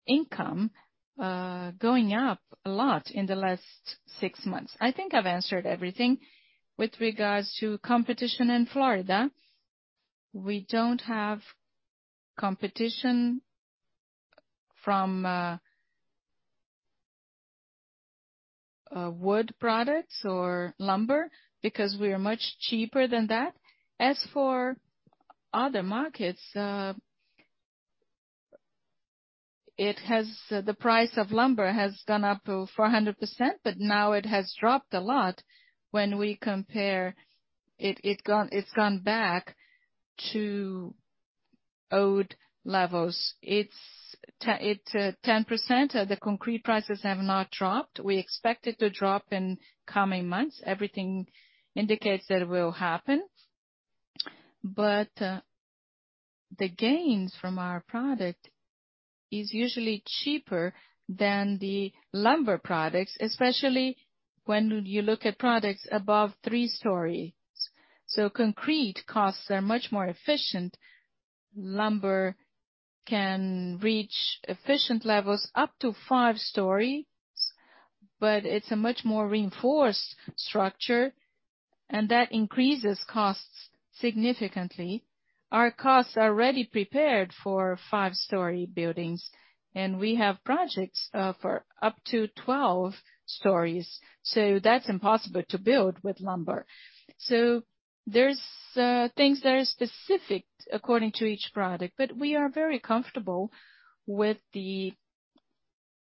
income going up a lot in the last 6 months. I think I've answered everything. With regards to competition in Florida, we don't have competition from wood products or lumber because we are much cheaper than that. As for other markets, The price of lumber has gone up 400%, now it has dropped a lot when we compare. It's gone back to old levels. It's 10%. The concrete prices have not dropped. We expect it to drop in coming months. Everything indicates that it will happen. The gains from our product is usually cheaper than the lumber products, especially when you look at products above 3 stories. Concrete costs are much more efficient. Lumber can reach efficient levels up to 5 stories, but it's a much more reinforced structure, and that increases costs significantly. Our costs are already prepared for 5-story buildings, and we have projects for up to 12 stories. That's impossible to build with lumber. There's things that are specific according to each product, but we are very comfortable with the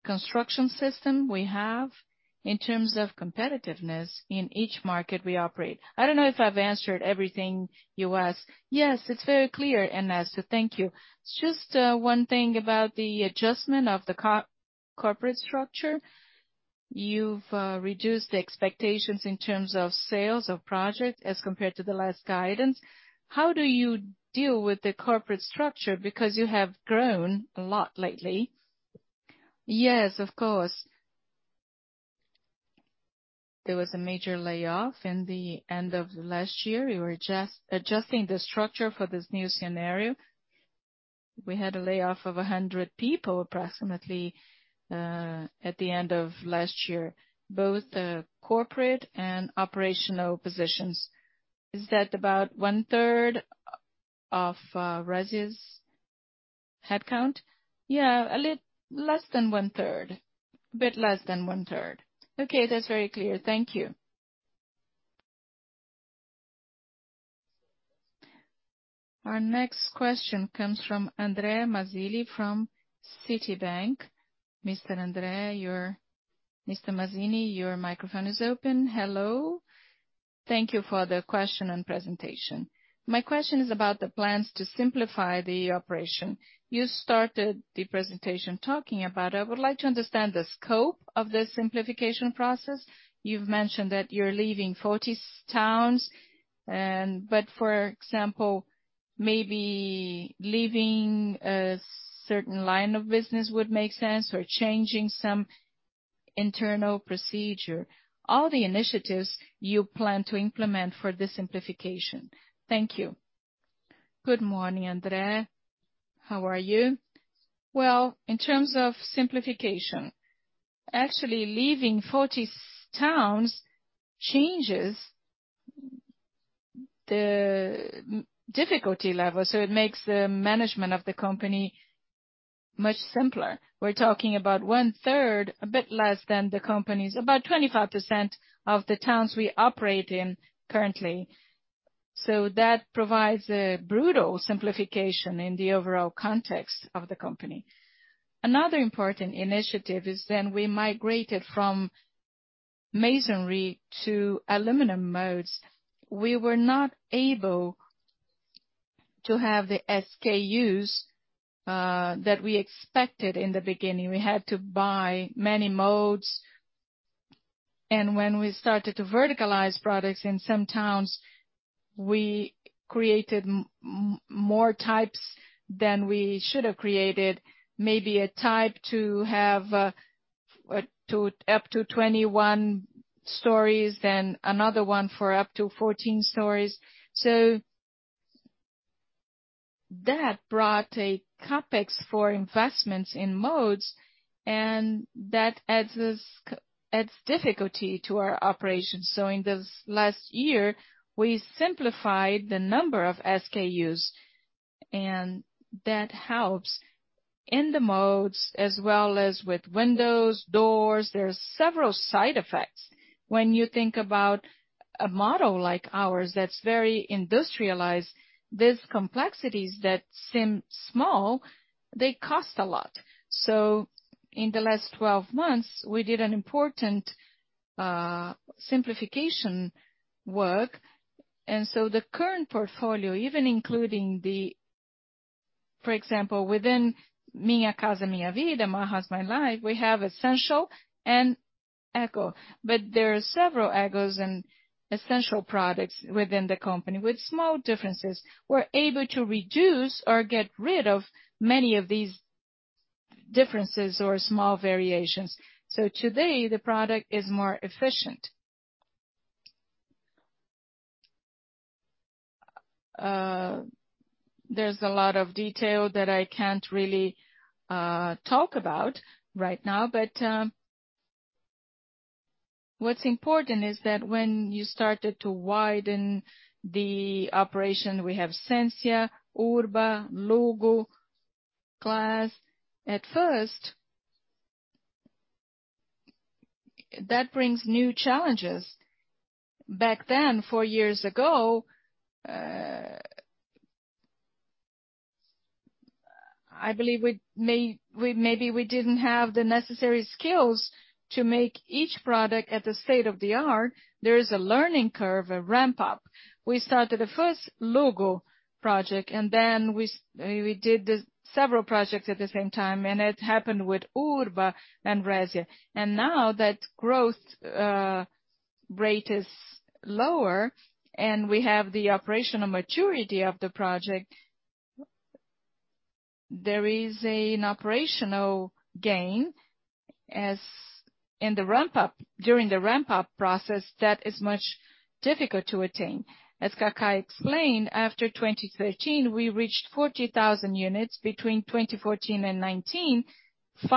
construction system we have in terms of competitiveness in each market we operate. I don't know if I've answered everything you asked. Yes, it's very clear, Inês. Thank you. Just one thing about the adjustment of the co-corporate structure. You've reduced the expectations in terms of sales of projects as compared to the last guidance. How do you deal with the corporate structure? Because you have grown a lot lately. Yes, of course. There was a major layoff in the end of last year. We were adjusting the structure for this new scenario. We had a layoff of 100 people, approximately, at the end of last year, both corporate and operational positions. Is that about one-third of Resia's headcount? Yeah, less than one-third. A bit less than one-third. Okay, that's very clear. Thank you. Our next question comes from Andre Mazini from Citibank. Mr. Mazini, your microphone is open. Hello. Thank you for the question and presentation. My question is about the plans to simplify the operation. You started the presentation talking about it. I would like to understand the scope of the simplification process. You've mentioned that you're leaving 40 towns. For example, maybe leaving a certain line of business would make sense or changing some internal procedure. All the initiatives you plan to implement for the simplification. Thank you. Good morning, Andre. How are you? Well, in terms of simplification, actually leaving 40 towns changes the difficulty level, so it makes the management of the company much simpler. We're talking about 1/3, a bit less than the company's, about 25% of the towns we operate in currently. That provides a brutal simplification in the overall context of the company. Another important initiative is we migrated from masonry to aluminum modes. We were not able to have the SKUs that we expected in the beginning. We had to buy many modes. When we started to verticalize products in some towns, we created more types than we should have created. Maybe a type to have up to 21 stories, then another one for up to 14 stories. That brought a CapEx for investments in modes, and that adds difficulty to our operations. In this last year, we simplified the number of SKUs, and that helps in the modes as well as with windows, doors. There's several side effects. When you think about a model like ours that's very industrialized, these complexities that seem small, they cost a lot. In the last 12 months, we did an important simplification work. The current portfolio, even including the, for example, within Minha Casa, Minha Vida, My House, My Life, we have Essential and Eco. There are several Ecos and Essential products within the company with small differences. We're able to reduce or get rid of many of these differences or small variations. Today, the product is more efficient. There's a lot of detail that I can't really talk about right now. What's important is that when you started to widen the operation, we have Sensia, Urba, Luggo, Class. At first, that brings new challenges. Back then, four years ago, I believe maybe we didn't have the necessary skills to make each product at the state-of-the-art. There is a learning curve, a ramp-up. We started the first Luggo project, and then we did several projects at the same time, and it happened with Urba and Resia. Now that growth rate is lower, and we have the operational maturity of the project. There is an operational gain, as in during the ramp-up process that is much difficult to attain. As Cacá explained, after 2013, we reached 40,000 units between 2014 and 2019. For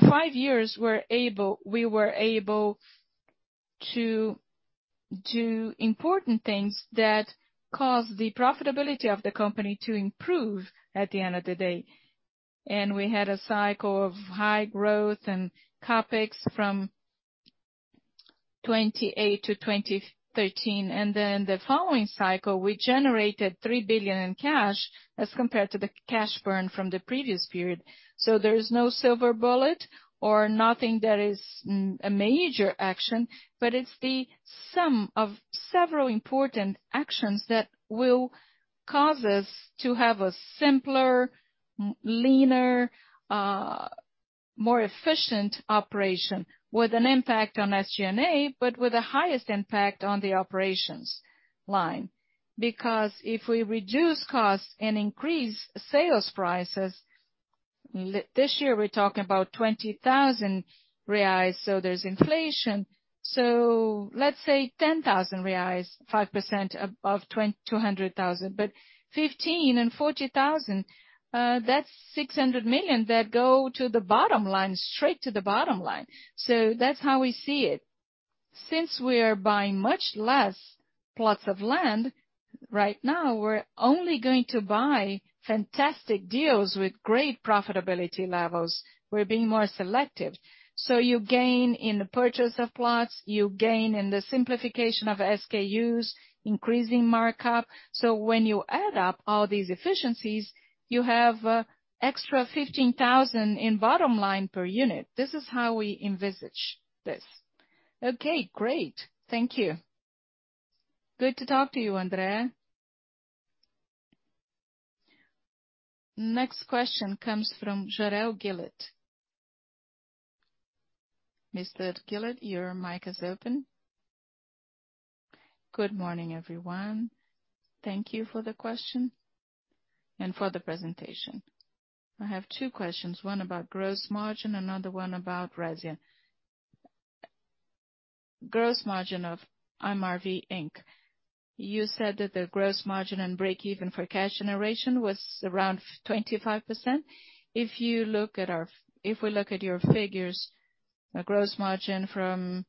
five years, we were able to do important things that cause the profitability of the company to improve at the end of the day. We had a cycle of high growth and CapEx from 2008 to 2013. The following cycle, we generated 3 billion in cash as compared to the cash burn from the previous period. There is no silver bullet or nothing that is a major action, but it's the sum of several important actions that will cause us to have a simpler, leaner, more efficient operation with an impact on SG&A, but with the highest impact on the operations line. Because if we reduce costs and increase sales prices, this year, we're talking about 20,000 reais, so there's inflation. Let's say 10,000 reais, 5% above 200,000. 15,000 and 40,000, that's 600 million that go to the bottom line, straight to the bottom line. That's how we see it. Since we are buying much less plots of land, right now, we're only going to buy fantastic deals with great profitability levels. We're being more selective. You gain in the purchase of plots, you gain in the simplification of SKUs, increasing markup. When you add up all these efficiencies, you have extra 15,000 in bottom line per unit. This is how we envisage this. Okay, great. Thank you. Good to talk to you, Andre. Next question comes from Jorel Guilloty. Mr. Guilloty, your mic is open. Good morning, everyone. Thank you for the question and for the presentation. I have 2 questions. One about gross margin, another one about Resia. Gross margin of MRV Inc. You said that the gross margin and breakeven for cash generation was around 25%. If we look at your figures, the gross margin from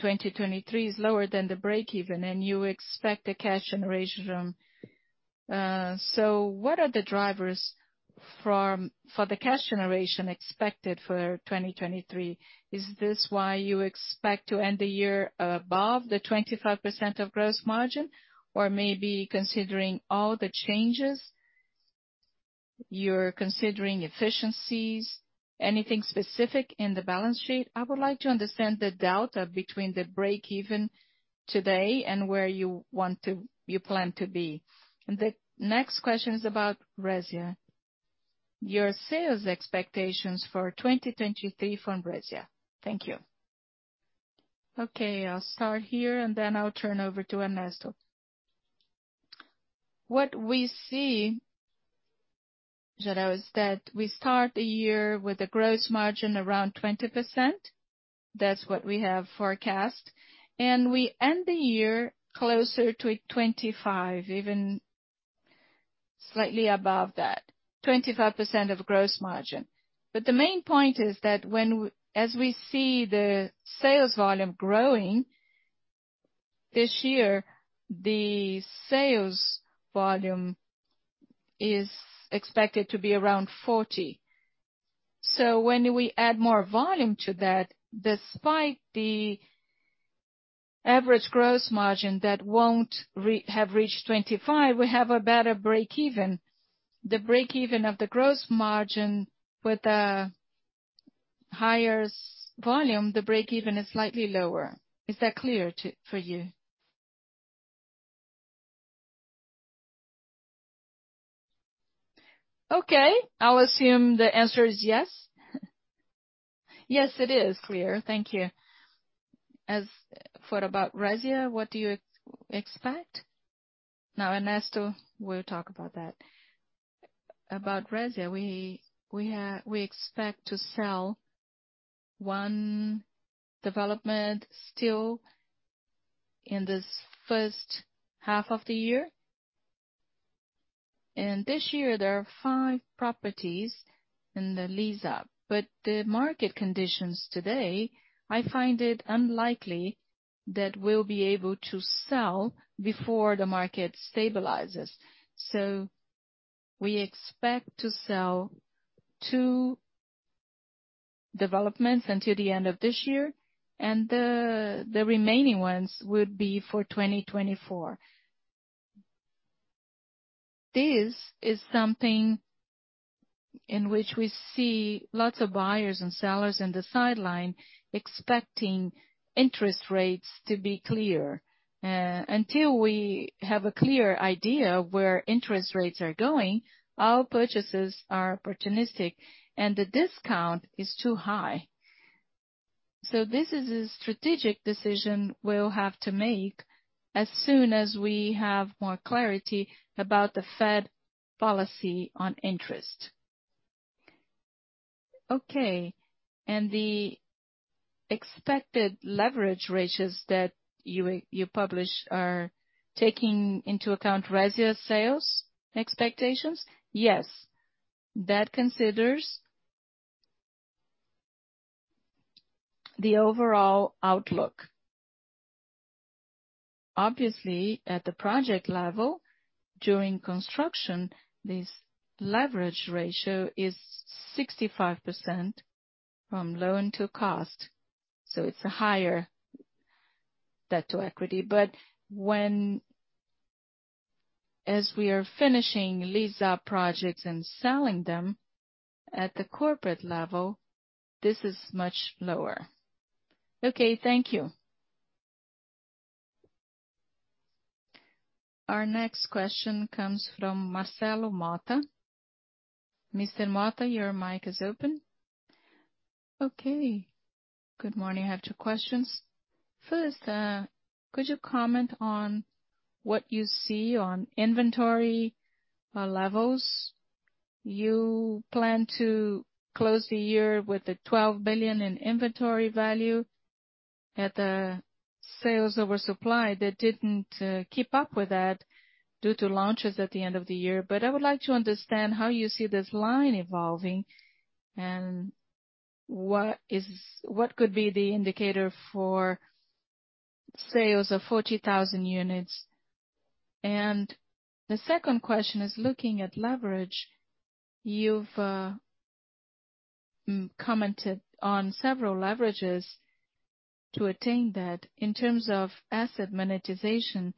2023 is lower than the breakeven, and you expect a cash generation. What are the drivers for the cash generation expected for 2023? Is this why you expect to end the year above the 25% of gross margin? Maybe considering all the changes, you're considering efficiencies. Anything specific in the balance sheet? I would like to understand the delta between the breakeven today and where you plan to be. The next question is about Resia. Your sales expectations for 2023 from Resia. Thank you. Okay, I'll start here, and then I'll turn over to Ernesto. What we see, Jorel, is that we start the year with a gross margin around 20%. That's what we have forecast. We end the year closer to a 2025, even slightly above that. 25% of gross margin. The main point is that as we see the sales volume growing this year, the sales volume is expected to be around 40. When we add more volume to that, despite the average gross margin that won't have reached 25%, we have a better breakeven. The breakeven of the gross margin with a higher volume is slightly lower. Is that clear for you? I'll assume the answer is yes. Yes, it is clear. Thank you. As for about Resia, what do you expect? Ernesto will talk about that. About Resia, we expect to sell 1 development still in this first half of the year. This year, there are 5 properties in the lease-up. The market conditions today, I find it unlikely that we'll be able to sell before the market stabilizes. We expect to sell 2 developments until the end of this year, and the remaining ones would be for 2024. This is something in which we see lots of buyers and sellers in the sideline expecting interest rates to be clear. Until we have a clear idea of where interest rates are going, our purchases are opportunistic, the discount is too high. This is a strategic decision we'll have to make as soon as we have more clarity about the Fed policy on interest. Okay. The expected leverage ratios that you publish are taking into account Resia sales expectations? Yes. That considers the overall outlook. Obviously, at the project level during construction, this leverage ratio is 65% from loan to cost, it's a higher debt-to-equity. As we are finishing lease-up projects and selling them at the corporate level, this is much lower. Okay, thank you. Our next question comes from Marcelo Motta. Mr. Motta, your mic is open. Okay, good morning. I have two questions. First, could you comment on what you see on inventory levels? You plan to close the year with 12 billion in inventory value at the sales oversupply that didn't keep up with that due to launches at the end of the year. I would like to understand how you see this line evolving and what could be the indicator for sales of 40,000 units. The second question is looking at leverage. You've commented on several leverages to attain that. In terms of asset monetization,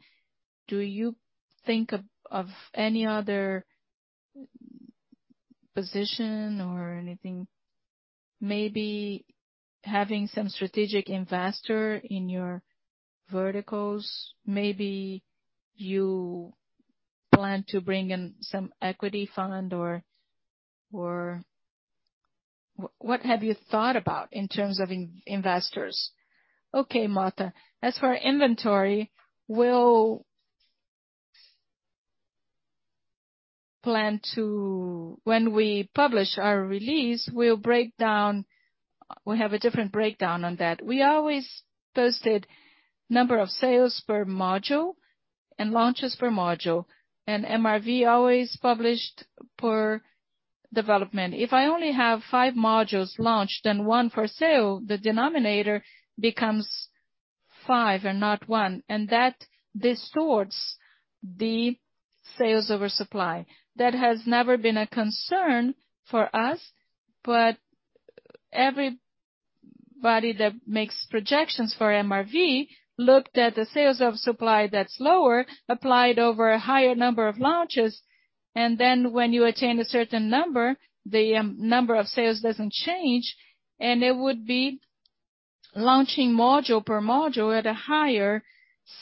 do you think of any other position or anything. Maybe having some strategic investor in your verticals. Maybe you plan to bring in some equity fund or... What have you thought about in terms of investors? Okay, Motta, as for our inventory, we'll plan to... When we publish our release, we have a different breakdown on that. We always posted number of sales per module and launches per module, and MRV always published per development. If I only have 5 modules launched and 1 for sale, the denominator becomes 5 and not 1, and that distorts the sales over supply. That has never been a concern for us. Everybody that makes projections for MRV looked at the sales over supply that's lower, applied over a higher number of launches. When you attain a certain number, the number of sales doesn't change, and it would be launching module per module at a higher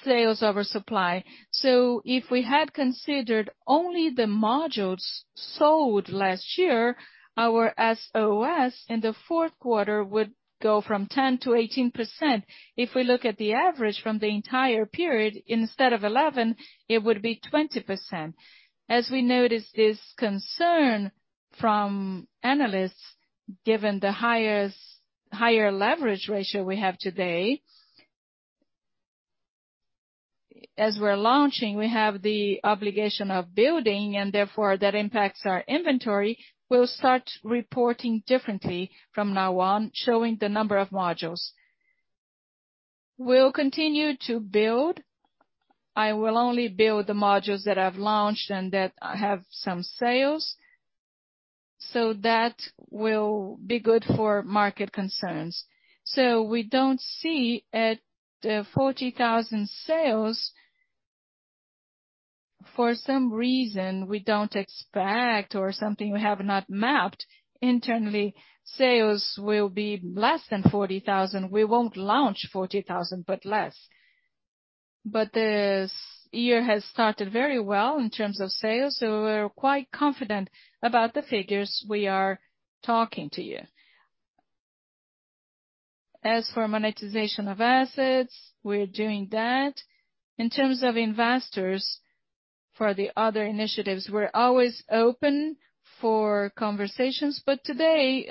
sales over supply. If we had considered only the modules sold last year, our SOS in the fourth quarter would go from 10% to 18%. If we look at the average from the entire period, instead of 11, it would be 20%. We notice this concern from analysts, given the higher leverage ratio we have today. We're launching, we have the obligation of building and therefore that impacts our inventory. We'll start reporting differently from now on, showing the number of modules. We'll continue to build. I will only build the modules that I've launched and that have some sales, that will be good for market concerns. We don't see at 40,000 sales, for some reason we don't expect or something we have not mapped internally, sales will be less than 40,000. We won't launch 40,000, but less. The year has started very well in terms of sales, we're quite confident about the figures we are talking to you. As for monetization of assets, we're doing that. In terms of investors for the other initiatives, we're always open for conversations. Today,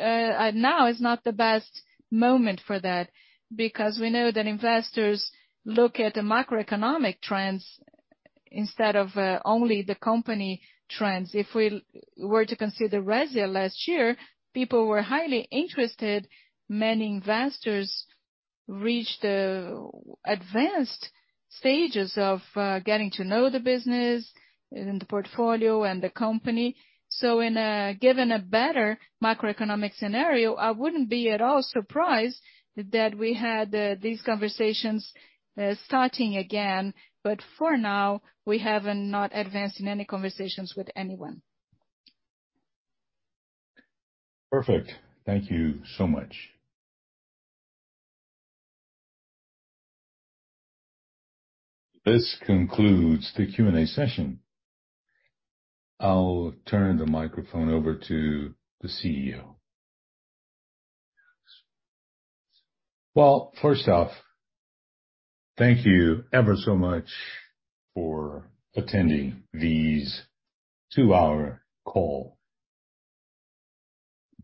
now is not the best moment for that because we know that investors look at the macroeconomic trends instead of only the company trends. If we were to consider Resia last year, people were highly interested. Many investors reached advanced stages of getting to know the business and the portfolio and the company. Given a better macroeconomic scenario, I wouldn't be at all surprised that we had these conversations starting again. For now, we have not advanced in any conversations with anyone. Perfect. Thank you so much. This concludes the Q&A session. I'll turn the microphone over to the CEO. Well, first off, thank you ever so much for attending this 2-hour call.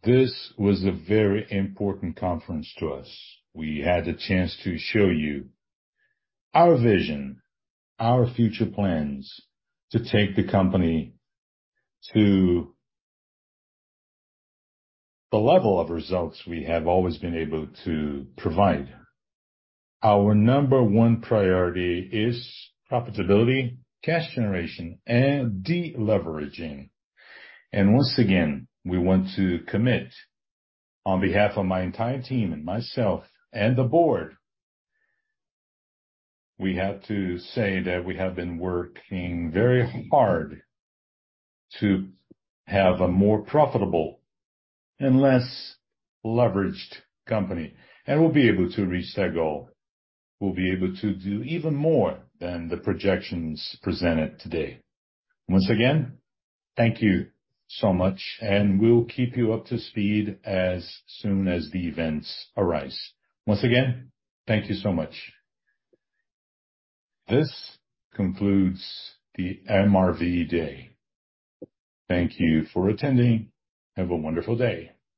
This was a very important conference to us. We had the chance to show you our vision, our future plans to take the company to the level of results we have always been able to provide. Our number 1 priority is profitability, cash generation and deleveraging. Once again, we want to commit on behalf of my entire team and myself and the board, we have to say that we have been working very hard to have a more profitable and less leveraged company, and we'll be able to reach that goal. We'll be able to do even more than the projections presented today. Once again, thank you so much. We'll keep you up to speed as soon as the events arise. Once again, thank you so much. This concludes the MRV Day. Thank you for attending. Have a wonderful day.